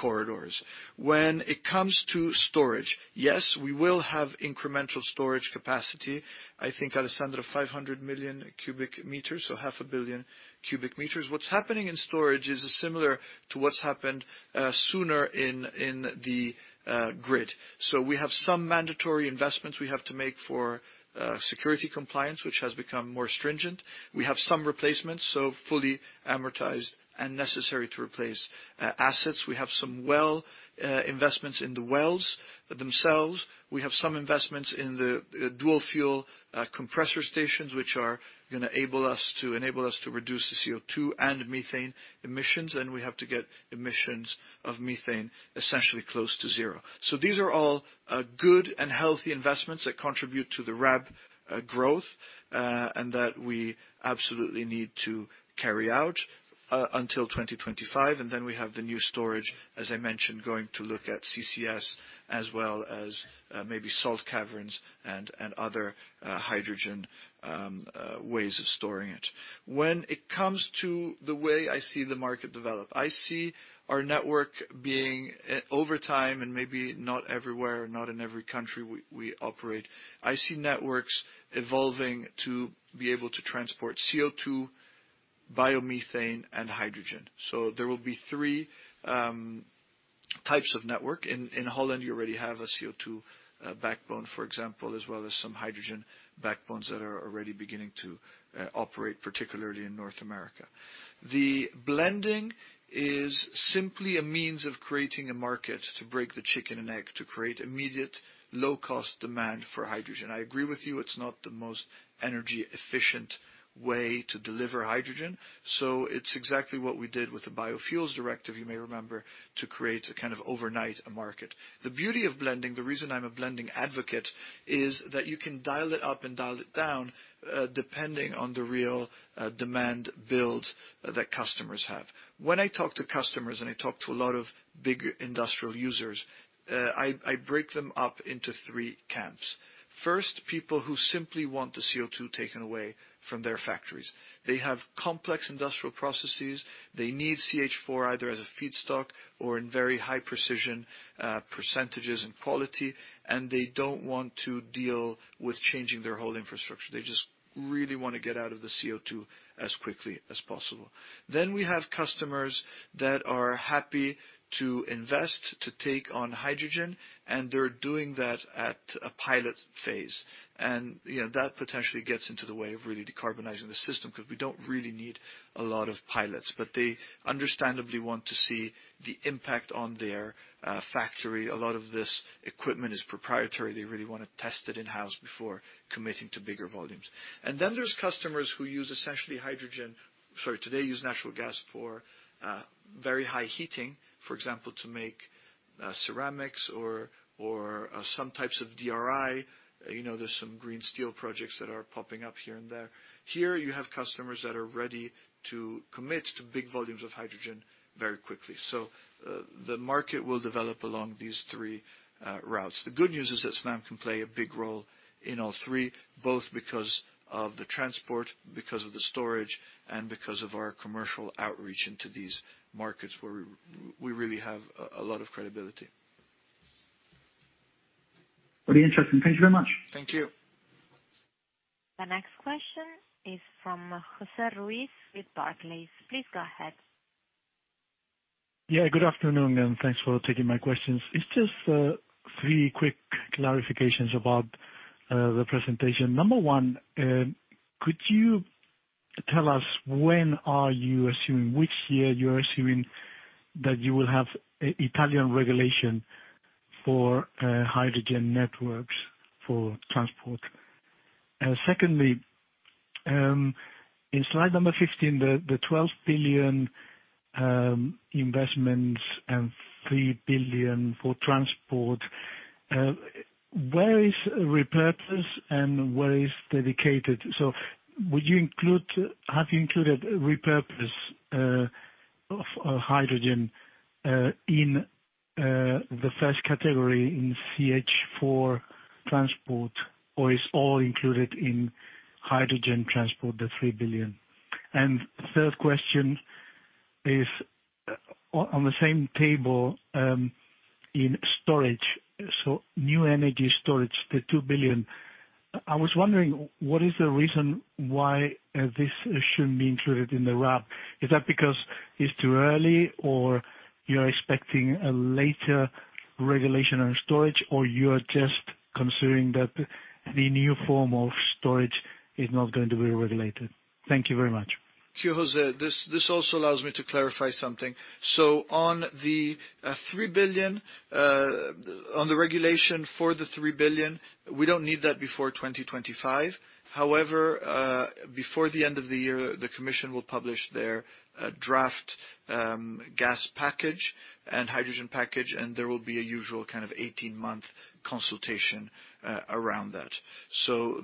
corridors. When it comes to storage, yes, we will have incremental storage capacity. I think, Alessandro, 500 million m³, so 0.5 billion m³. What's happening in storage is similar to what's happened sooner in the grid. We have some mandatory investments we have to make for security compliance, which has become more stringent. We have some replacements, so fully amortized and necessary to replace assets. We have some well investments in the wells themselves. We have some investments in the dual fuel compressor stations, which enable us to reduce the CO₂ and methane emissions, and we have to get emissions of methane essentially close to zero. These are all good and healthy investments that contribute to the RAB growth, and that we absolutely need to carry out until 2025. We have the new storage, as I mentioned, going to look at CCS as well as maybe salt caverns and other hydrogen ways of storing it. When it comes to the way I see the market develop, I see our network over time, and maybe not everywhere, not in every country we operate. I see networks evolving to be able to transport CO₂, biomethane, and hydrogen. There will be three types of network. In Holland, you already have a CO₂ backbone, for example, as well as some hydrogen backbones that are already beginning to operate, particularly in North America. The blending is simply a means of creating a market to break the chicken and egg, to create immediate low cost demand for hydrogen. I agree with you, it's not the most energy efficient way to deliver hydrogen. It's exactly what we did with the biofuels directive, you may remember, to create a kind of overnight market. The beauty of blending, the reason I'm a blending advocate, is that you can dial it up and dial it down, depending on the real demand build that customers have. When I talk to customers, and I talk to a lot of big industrial users, I break them up into three camps. First, people who simply want the CO₂ taken away from their factories. They have complex industrial processes. They need CH4 either as a feedstock or in very high precision percentages and quality, and they don't want to deal with changing their whole infrastructure. They just really wanna get out of the CO₂ as quickly as possible. We have customers that are happy to invest to take on hydrogen, and they're doing that at a pilot phase. You know, that potentially gets into the way of really decarbonizing the system, 'cause we don't really need a lot of pilots. They understandably want to see the impact on their factory. A lot of this equipment is proprietary. They really wanna test it in-house before committing to bigger volumes. There's customers who today use natural gas for very high heating, for example, to make ceramics or some types of DRI. You know, there's some green steel projects that are popping up here and there. Here you have customers that are ready to commit to big volumes of hydrogen very quickly. The market will develop along these three routes. The good news is that Snam can play a big role in all three, both because of the transport, because of the storage, and because of our commercial outreach into these markets where we really have a lot of credibility. Very interesting. Thank you very much. Thank you. The next question is from José Ruiz with Barclays. Please go ahead. Yeah, good afternoon, and thanks for taking my questions. It's just three quick clarifications about the presentation. Number one, could you tell us when are you assuming which year you are assuming that you will have Italian regulation for hydrogen networks for transport? Secondly, in slide number 15, the 12 billion investments and 3 billion for transport, where is repurpose and where is dedicated? So have you included repurpose of hydrogen in the first category in CH4 transport, or is all included in hydrogen transport, the 3 billion? Third question is on the same table, in storage, so new energy storage, the 2 billion, I was wondering what is the reason why this shouldn't be included in the RAB? Is that because it's too early, or you're expecting a later regulation on storage, or you are just considering that the new form of storage is not going to be regulated? Thank you very much. Sure, José. This also allows me to clarify something. On the 3 billion, on the regulation for the 3 billion, we don't need that before 2025. However, before the end of the year, the commission will publish their draft EU gas and hydrogen package, and there will be a usual kind of 18-month consultation around that.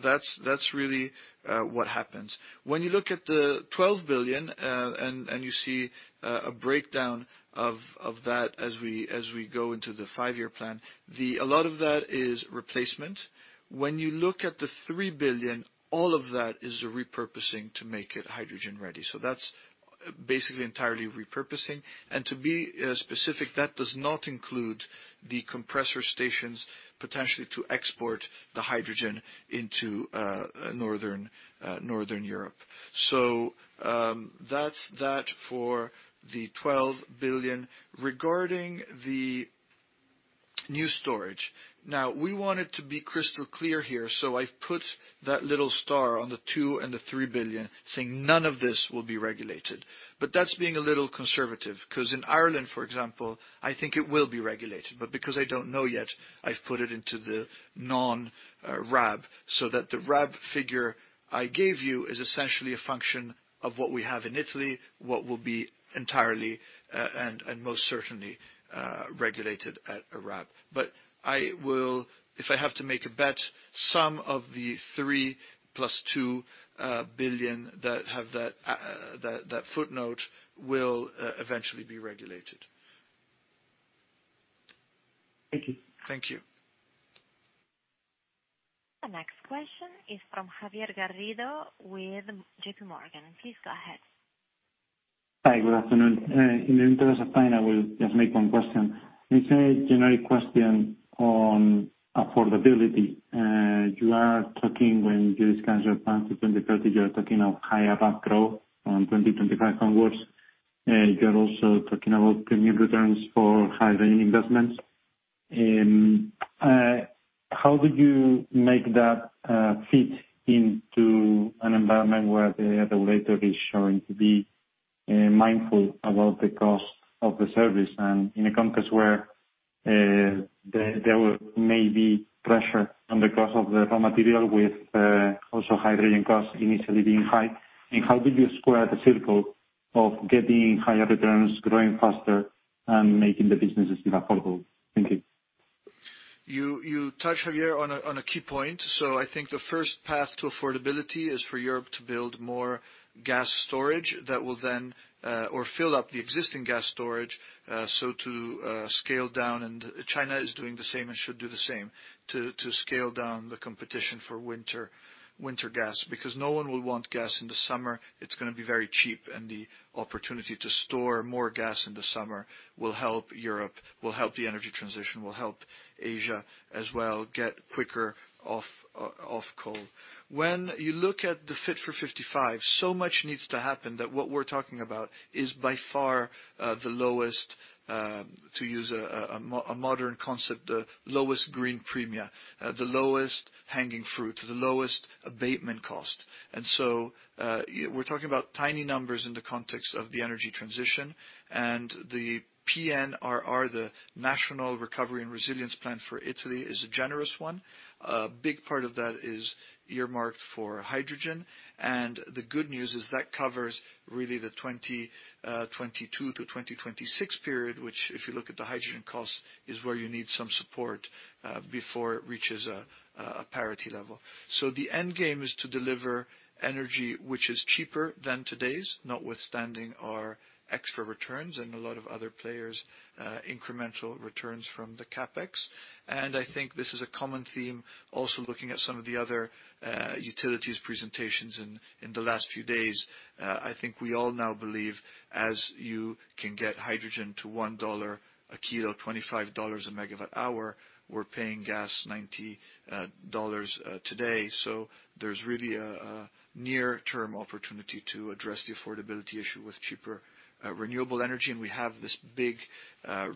That's really what happens. When you look at the 12 billion, and you see a breakdown of that as we go into the five-year plan, a lot of that is replacement. When you look at the 3 billion, all of that is a repurposing to make it hydrogen ready. That's basically entirely repurposing. To be specific, that does not include the compressor stations potentially to export the hydrogen into northern Europe. That's that for the 12 billion. Regarding the new storage, now we wanted to be crystal clear here, so I've put that little star on the 2 billion and the 3 billion saying none of this will be regulated. That's being a little conservative, 'cause in Ireland, for example, I think it will be regulated. Because I don't know yet, I've put it into the non-RAB, so that the RAB figure I gave you is essentially a function of what we have in Italy, what will be entirely and most certainly regulated at a RAB. I will, if I have to make a bet, some of the 5 billion that have that footnote will eventually be regulated. Thank you. Thank you. The next question is from Javier Garrido with JPMorgan. Please go ahead. Hi, good afternoon. In the interest of time, I will just make one question. It's a generic question on affordability. You are talking, when you discuss your plan to 2030, you are talking of higher RAB growth on 2025 onwards, and you are also talking about premium returns for hydrogen investments. How do you make that fit into an environment where the regulator is showing to be mindful about the cost of the service and in a context where there may be pressure on the cost of the raw material with also hydrogen costs initially being high? How do you square the circle of getting higher returns, growing faster, and making the businesses still affordable? Thank you. You touched, Javier, on a key point. I think the first path to affordability is for Europe to build more gas storage that will then or fill up the existing gas storage, so to scale down, and China is doing the same and should do the same, to scale down the competition for winter gas. Because no one will want gas in the summer, it's gonna be very cheap, and the opportunity to store more gas in the summer will help Europe, will help the energy transition, will help Asia as well get quicker off coal. When you look at the Fit for 55, so much needs to happen that what we're talking about is by far the lowest to use a modern concept lowest green premia the lowest hanging fruit, the lowest abatement cost. We're talking about tiny numbers in the context of the energy transition. The PNRR, the National Recovery and Resilience Plan for Italy, is a generous one. A big part of that is earmarked for hydrogen. The good news is that covers really the 2022-2026 period, which if you look at the hydrogen costs, is where you need some support before it reaches a parity level. The end game is to deliver energy which is cheaper than today's, notwithstanding our extra returns and a lot of other players' incremental returns from the CapEx. I think this is a common theme also looking at some of the other utilities presentations in the last few days. I think we all now believe as you can get hydrogen to $1/kg, $25/MWh, we're paying gas $90 today. There's really a near-term opportunity to address the affordability issue with cheaper renewable energy. We have this big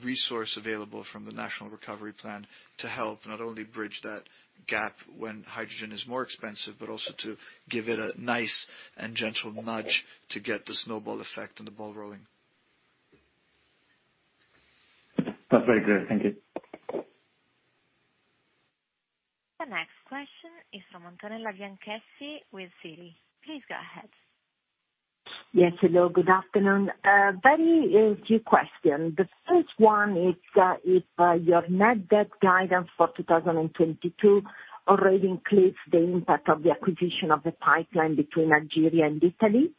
resource available from the National Recovery Plan to help not only bridge that gap when hydrogen is more expensive, but also to give it a nice and gentle nudge to get the snowball effect and the ball rolling. That's very clear. Thank you. The next question is from Antonella Bianchessi with Citi. Please go ahead. Yes, hello, good afternoon. I have two questions. The first one is if your net debt guidance for 2022 already includes the impact of the acquisition of the pipeline between Algeria and Italy.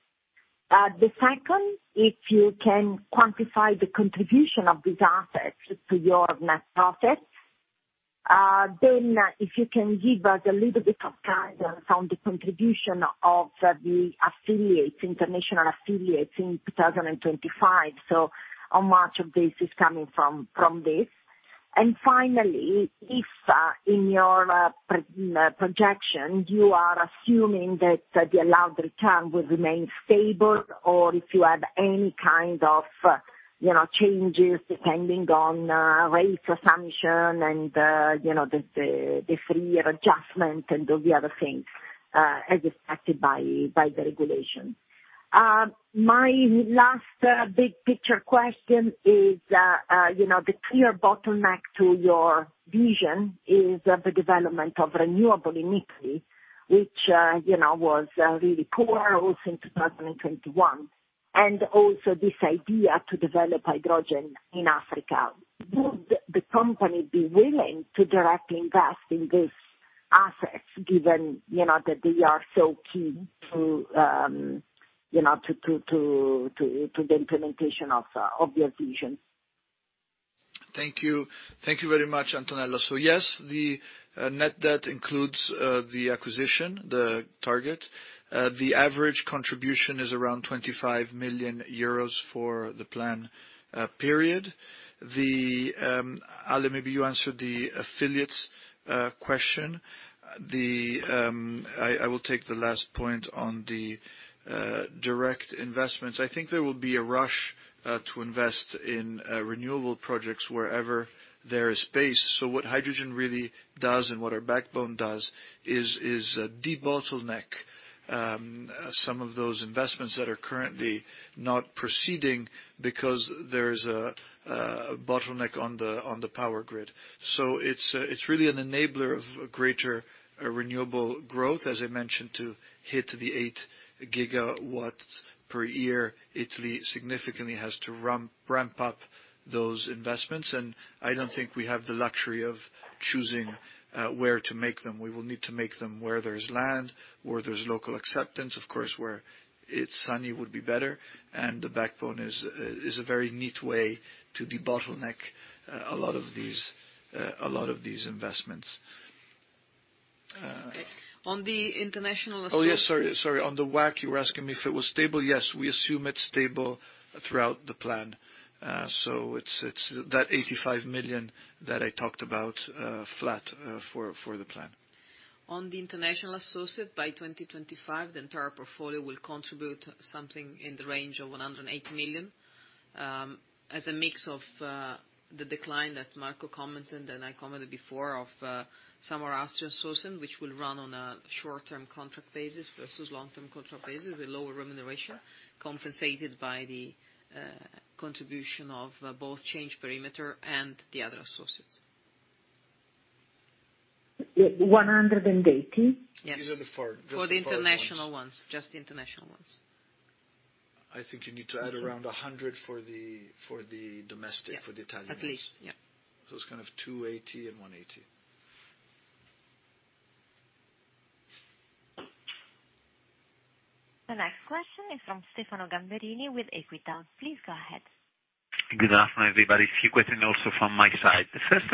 The second is if you can quantify the contribution of these assets to your net profits, then if you can give us a little bit of guidance on the contribution of the affiliates, international affiliates in 2025. How much of this is coming from this? Finally, if in your projection you are assuming that the allowed return will remain stable or if you have any kind of, you know, changes depending on rate assumption and, you know, the three-year adjustment and the other things as affected by the regulation. My last big picture question is, you know, the clear bottleneck to your vision is the development of renewable in Italy, which, you know, was really poor also in 2021, and also this idea to develop hydrogen in Africa. Would the company be willing to directly invest in these assets given, you know, that they are so key to, you know, to the implementation of your vision? Thank you. Thank you very much, Antonella. Yes, the net debt includes the acquisition, the target. The average contribution is around 25 million euros for the plan period. Ale, maybe you answer the affiliates question. I will take the last point on the direct investments. I think there will be a rush to invest in renewable projects wherever there is space. What hydrogen really does and what our backbone does is debottleneck some of those investments that are currently not proceeding because there is a bottleneck on the power grid. It's really an enabler of greater renewable growth. As I mentioned, to hit the 8 GW per year, Italy significantly has to ramp up those investments, and I don't think we have the luxury of choosing where to make them. We will need to make them where there's land, where there's local acceptance, of course, where it's sunny would be better, and the backbone is a very neat way to debottleneck a lot of these investments. Okay. On the international associate Yes. Sorry. On the WACC, you were asking me if it was stable. Yes, we assume it's stable throughout the plan. It's that 85 million that I talked about, flat, for the plan. On the international associates, by 2025, the entire portfolio will contribute something in the range of 108 million, as a mix of the decline that Marco commented and I commented before of some of our outsourcing, which will run on a short-term contract basis versus long-term contract basis with lower remuneration, compensated by the contribution of both change in perimeter and the other associates. 180? Yes. These are the four, just the foreign ones. For the international ones, just the international ones. I think you need to add around 100 for the domestic. Yeah. For the Italians. At least. Yeah. It's kind of 280 and 180. The next question is from Stefano Gamberini with Equita. Please go ahead. Good afternoon, everybody. A few questions also from my side. First,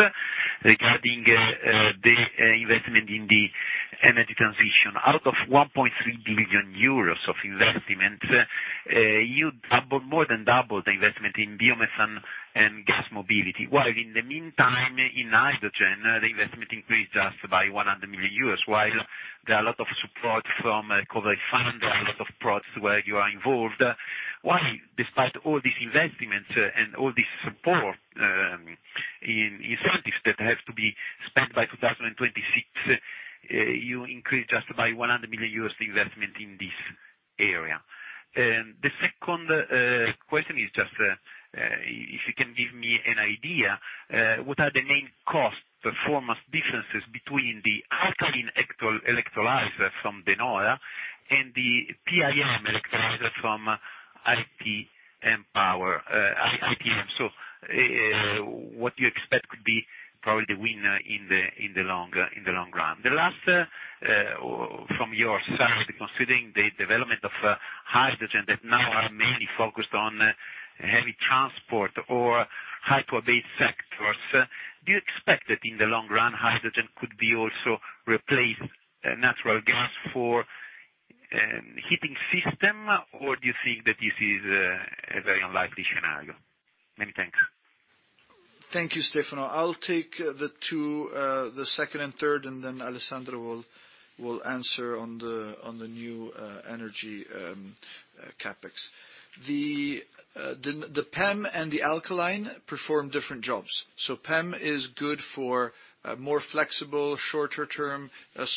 regarding the investment in the energy transition. Out of 1.3 billion euros of investment, you more than double the investment in biomass and gas mobility, while in the meantime, in hydrogen, the investment increased just by 100 million euros. While there are a lot of support from COVID fund, a lot of products where you are involved, why, despite all these investments and all this support, in services that have to be spent by 2026, you increase just by 100 million euros the investment in this area? The second question is just if you can give me an idea what are the main cost performance differences between the alkaline electrolyzer from De Nora and the PEM electrolyzer from ITM Power, ITM. So, what do you expect could be probably the winner in the long run? The last from your side, considering the development of hydrogen that now are mainly focused on heavy transport or high priority sectors, do you expect that in the long run, hydrogen could also replace natural gas for heating system or do you think that this is a very unlikely scenario? Many thanks. Thank you, Stefano. I'll take the two, the second and third, and then Alessandra will answer on the new energy CapEx. The PEM and the alkaline perform different jobs. PEM is good for more flexible, shorter-term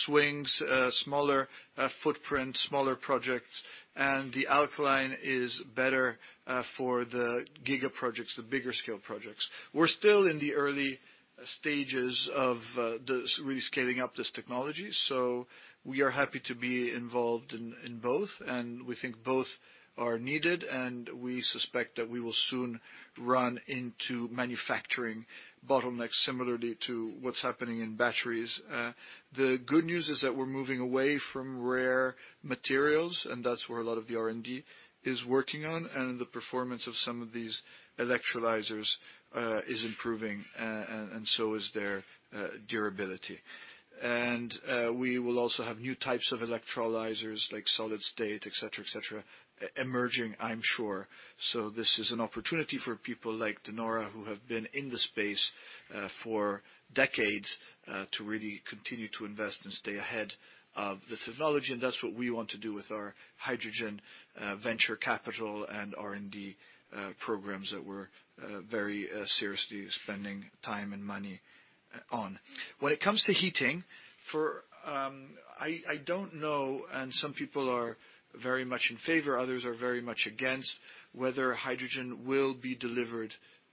swings, smaller footprint, smaller projects, and the alkaline is better for the giga projects, the bigger scale projects. We're still in the early stages of this, really scaling up this technology, so we are happy to be involved in both, and we think both are needed, and we suspect that we will soon run into manufacturing bottlenecks similarly to what's happening in batteries. The good news is that we're moving away from rare materials, and that's where a lot of the R&D is working on, and the performance of some of these electrolyzers is improving, and so is their durability. We will also have new types of electrolyzers like solid oxide, et cetera, emerging, I'm sure. This is an opportunity for people like De Nora who have been in the space for decades to really continue to invest and stay ahead of the technology, and that's what we want to do with our hydrogen venture capital and R&D programs that we're very seriously spending time and money on. When it comes to heating for... I don't know, some people are very much in favor, others are very much against, whether hydrogen will be delivered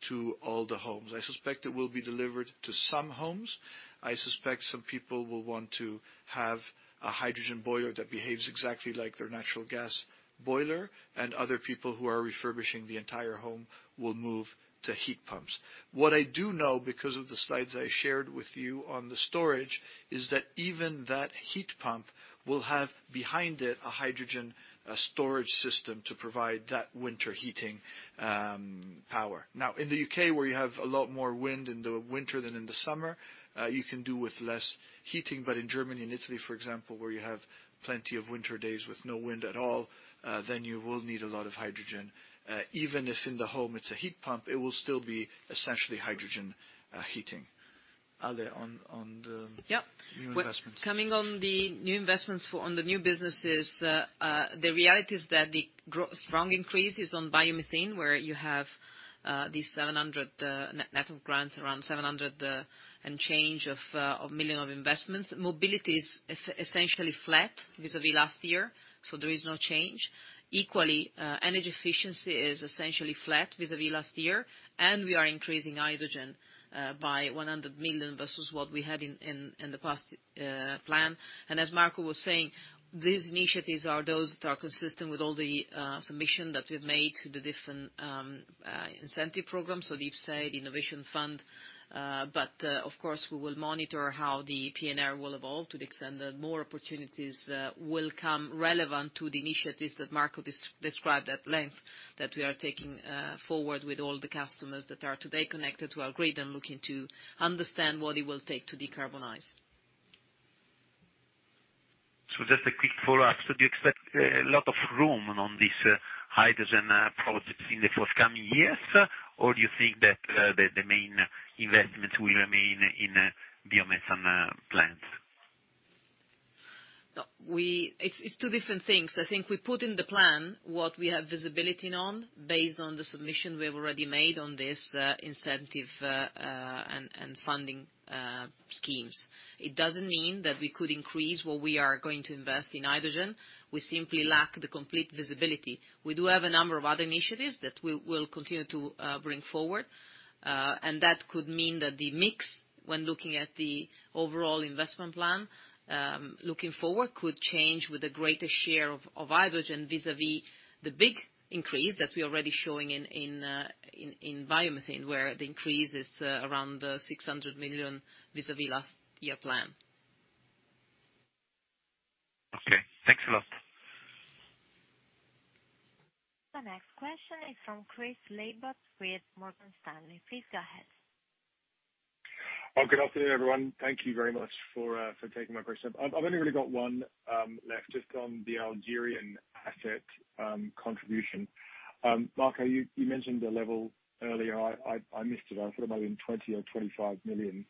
to all the homes. I suspect it will be delivered to some homes. I suspect some people will want to have a hydrogen boiler that behaves exactly like their natural gas boiler, and other people who are refurbishing the entire home will move to heat pumps. What I do know, because of the slides I shared with you on the storage, is that even that heat pump will have behind it a hydrogen, a storage system to provide that winter heating, power. Now, in the U.K., where you have a lot more wind in the winter than in the summer, you can do with less heating. In Germany and Italy, for example, where you have plenty of winter days with no wind at all, then you will need a lot of hydrogen. Even if in the home it's a heat pump, it will still be essentially hydrogen heating. Ale, on the- Yeah. New investments. Coming on the new investments for on the new businesses, the reality is that the strong increase is on biomethane, where you have these 700, net of grants, around 700 and change million of investments. Mobility is essentially flat vis-à-vis last year, so there is no change. Equally, energy efficiency is essentially flat vis-à-vis last year, and we are increasing hydrogen by 100 million versus what we had in the past plan. As Marco was saying, these initiatives are those that are consistent with all the submission that we've made to the different incentive programs, so the IPCEI, the Innovation Fund. Of course, we will monitor how the PNR will evolve to the extent that more opportunities will become relevant to the initiatives that Marco described at length that we are taking forward with all the customers that are today connected to our grid and looking to understand what it will take to decarbonize. Just a quick follow-up. Do you expect a lot of room on these hydrogen projects in the forthcoming years? Or do you think that the main investments will remain in biomethane plants? No. It's two different things. I think we put in the plan what we have visibility on based on the submission we have already made on this, incentive, and funding schemes. It doesn't mean that we could increase what we are going to invest in hydrogen. We simply lack the complete visibility. We do have a number of other initiatives that we will continue to bring forward, and that could mean that the mix when looking at the overall investment plan, looking forward, could change with a greater share of hydrogen vis-à-vis the big increase that we are already showing in biomethane, where the increase is around 600 million vis-à-vis last year plan. Okay. Thanks a lot. The next question is from Chris Laybutt with Morgan Stanley. Please go ahead. Good afternoon, everyone. Thank you very much for taking my question. I've only really got one left, just on the Algerian asset contribution. Marco, you mentioned a level earlier. I missed it. I thought it might have been 20 million or 25 million.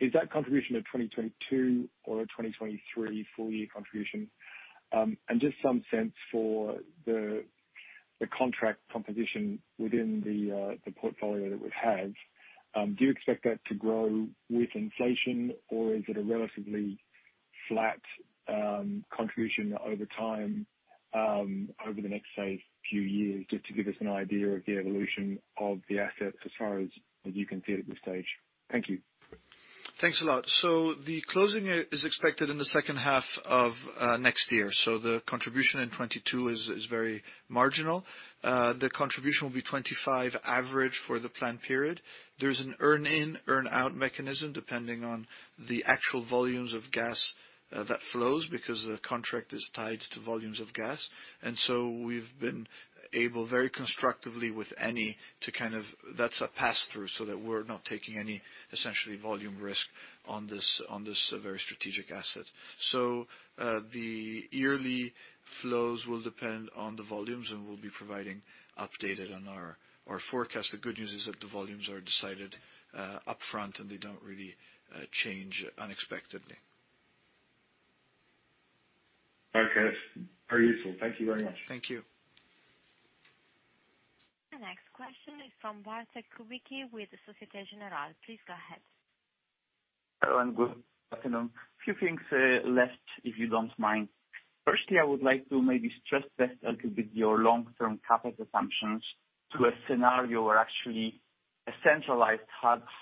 Is that contribution a 2022 or a 2023 full year contribution? Just some sense for the contract composition within the portfolio that we have. Do you expect that to grow with inflation, or is it a relatively flat contribution over time over the next, say, few years, just to give us an idea of the evolution of the assets as far as you can see it at this stage? Thank you. Thanks a lot. The closing is expected in the second half of next year, the contribution in 2022 is very marginal. The contribution will be 25 on average for the plan period. There's an earn-in/earn-out mechanism, depending on the actual volumes of gas that flows because the contract is tied to volumes of gas. We've been able to work very constructively with Eni to kind of. That's a pass-through so that we're not taking any essentially volume risk on this very strategic asset. The yearly flows will depend on the volumes, and we'll be providing updates on our forecast. The good news is that the volumes are decided upfront, and they don't really change unexpectedly. Okay. Very useful. Thank you very much. Thank you. The next question is from Bartlomiej Kubicki with Société Générale. Please go ahead. Hello, good afternoon. Few things left, if you don't mind. Firstly, I would like to maybe stress test a little bit your long-term CapEx assumptions to a scenario where actually a centralized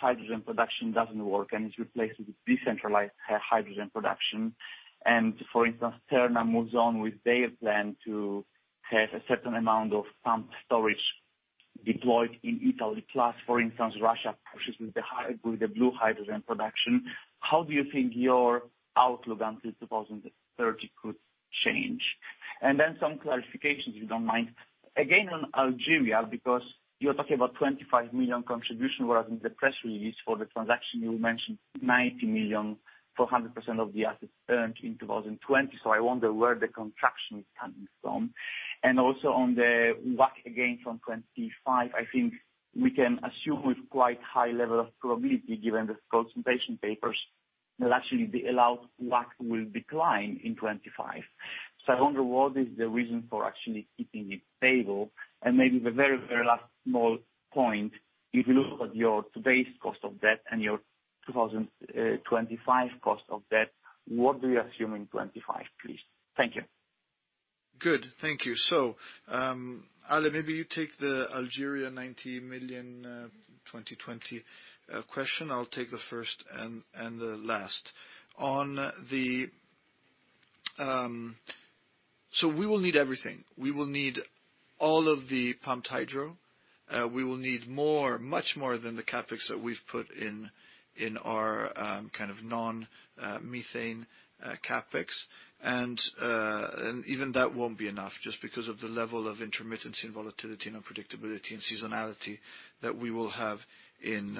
hydrogen production doesn't work and is replaced with decentralized hydrogen production. For instance, Terna moves on with their plan to have a certain amount of pumped storage deployed in Italy, plus, for instance, Russia purchases the hydrogen with the blue hydrogen production. How do you think your outlook until 2030 could change? Then some clarifications, if you don't mind. Again, on Algeria, because you're talking about 25 million contribution, whereas in the press release for the transaction, you mentioned 90 million for 100% of the assets earned in 2020. So I wonder where the contraction is coming from. Also on the WACC, again, from 2025, I think we can assume with quite high level of probability, given the consultation papers, that actually the allowed WACC will decline in 2025. I wonder what is the reason for actually keeping it stable. Maybe the very, very last small point, if you look at your today's cost of debt and your 2025 cost of debt, what are you assuming in 2025, please? Thank you. Good. Thank you. Alessandra Pasini, maybe you take the Algeria 90 million, 2020, question. I'll take the first and the last. We will need everything. We will need all of the pumped hydro. We will need more, much more than the CapEx that we've put in our kind of non methane CapEx. Even that won't be enough, just because of the level of intermittency and volatility and unpredictability and seasonality that we will have in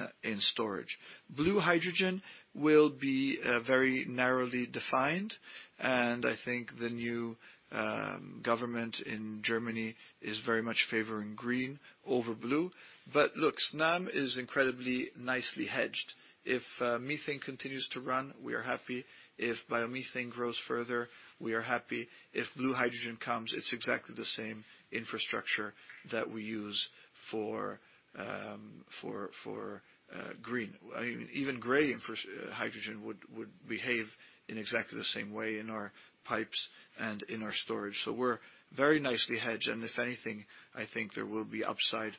storage. Blue hydrogen will be very narrowly defined, and I think the new government in Germany is very much favoring green over blue. Look, Snam is incredibly nicely hedged. If methane continues to run, we are happy. If biomethane grows further, we are happy. If blue hydrogen comes, it's exactly the same infrastructure that we use for green. I mean, even gray hydrogen would behave in exactly the same way in our pipes and in our storage. We're very nicely hedged. If anything, I think there will be upside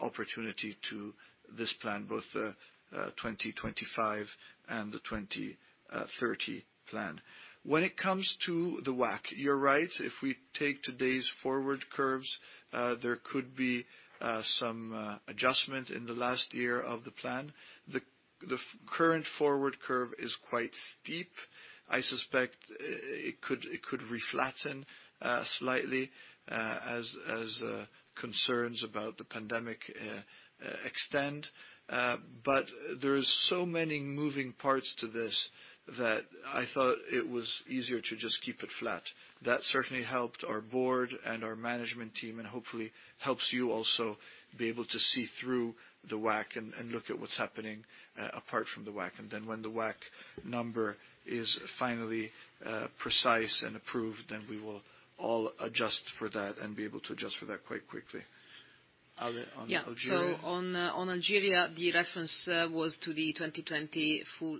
opportunity to this plan, both the 2025 and the 2030 plan. When it comes to the WACC, you're right. If we take today's forward curves, there could be some adjustment in the last year of the plan. The current forward curve is quite steep. I suspect it could reflatten slightly as concerns about the pandemic extend. There are so many moving parts to this that I thought it was easier to just keep it flat. That certainly helped our board and our management team, and hopefully helps you also be able to see through the WACC and look at what's happening, apart from the WACC. Then when the WACC number is finally precise and approved, then we will all adjust for that and be able to adjust for that quite quickly. Ale, on Algeria? Yeah. On Algeria, the reference was to the 2020 full-year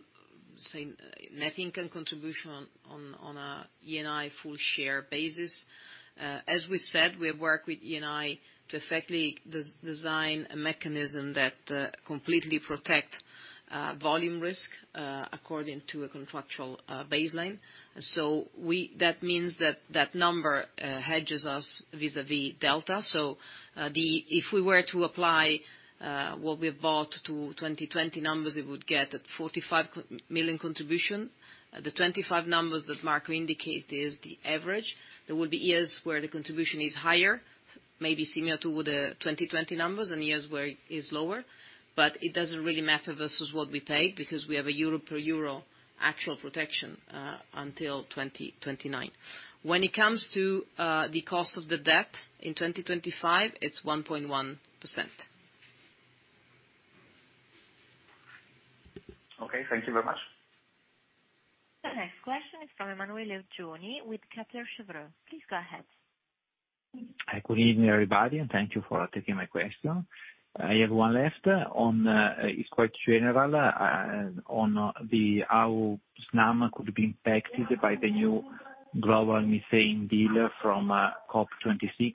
net income contribution on a Eni full share basis. As we said, we have worked with Eni to effectively design a mechanism that completely protect volume risk according to a contractual baseline. That means that that number hedges us vis-à-vis delta. If we were to apply what we have bought to 2020 numbers, it would get a 45 million contribution. The 25 numbers that Marco indicated is the average. There will be years where the contribution is higher, maybe similar to the 2020 numbers, and years where it is lower. It doesn't really matter versus what we paid, because we have a Euro-per-Euro actual protection until 2029. When it comes to the cost of the debt in 2025, it's 1.1%. Okay. Thank you very much. The next question is from Emanuele Oggioni with Kepler Cheuvreux. Please go ahead. Hi. Good evening, everybody, and thank you for taking my question. I have one left on how Snam could be impacted by the new global methane deal from COP26.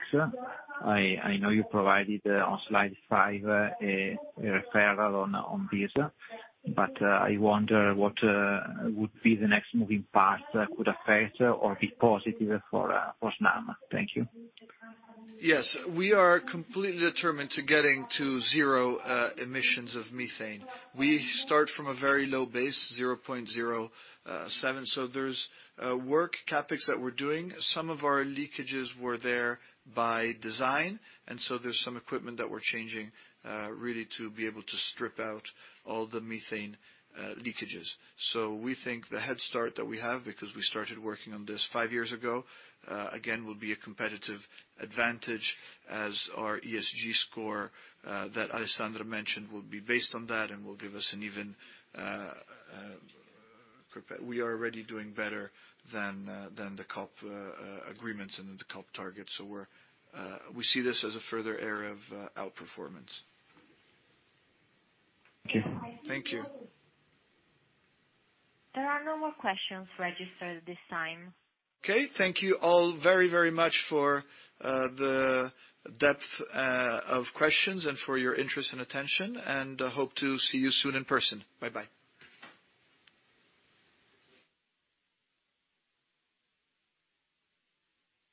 I know you provided on slide five a reference on this, but I wonder what would be the next moving parts that could affect or be positive for Snam. Thank you. Yes. We are completely determined to getting to zero emissions of methane. We start from a very low base, 0.07. There's work CapEx that we're doing. Some of our leakages were there by design, and so there's some equipment that we're changing really to be able to strip out all the methane leakages. We think the head start that we have, because we started working on this five years ago, again, will be a competitive advantage as our ESG score that Alessandra mentioned will be based on that and will give us an even. We are already doing better than the COP agreements and the COP targets. We see this as a further area of outperformance. Thank you. Thank you. There are no more questions registered at this time. Okay. Thank you all very, very much for the depth of questions and for your interest and attention, and I hope to see you soon in person. Bye-bye.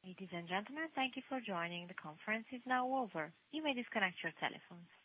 Ladies and gentlemen, thank you for joining. The conference is now over. You may disconnect your telephones.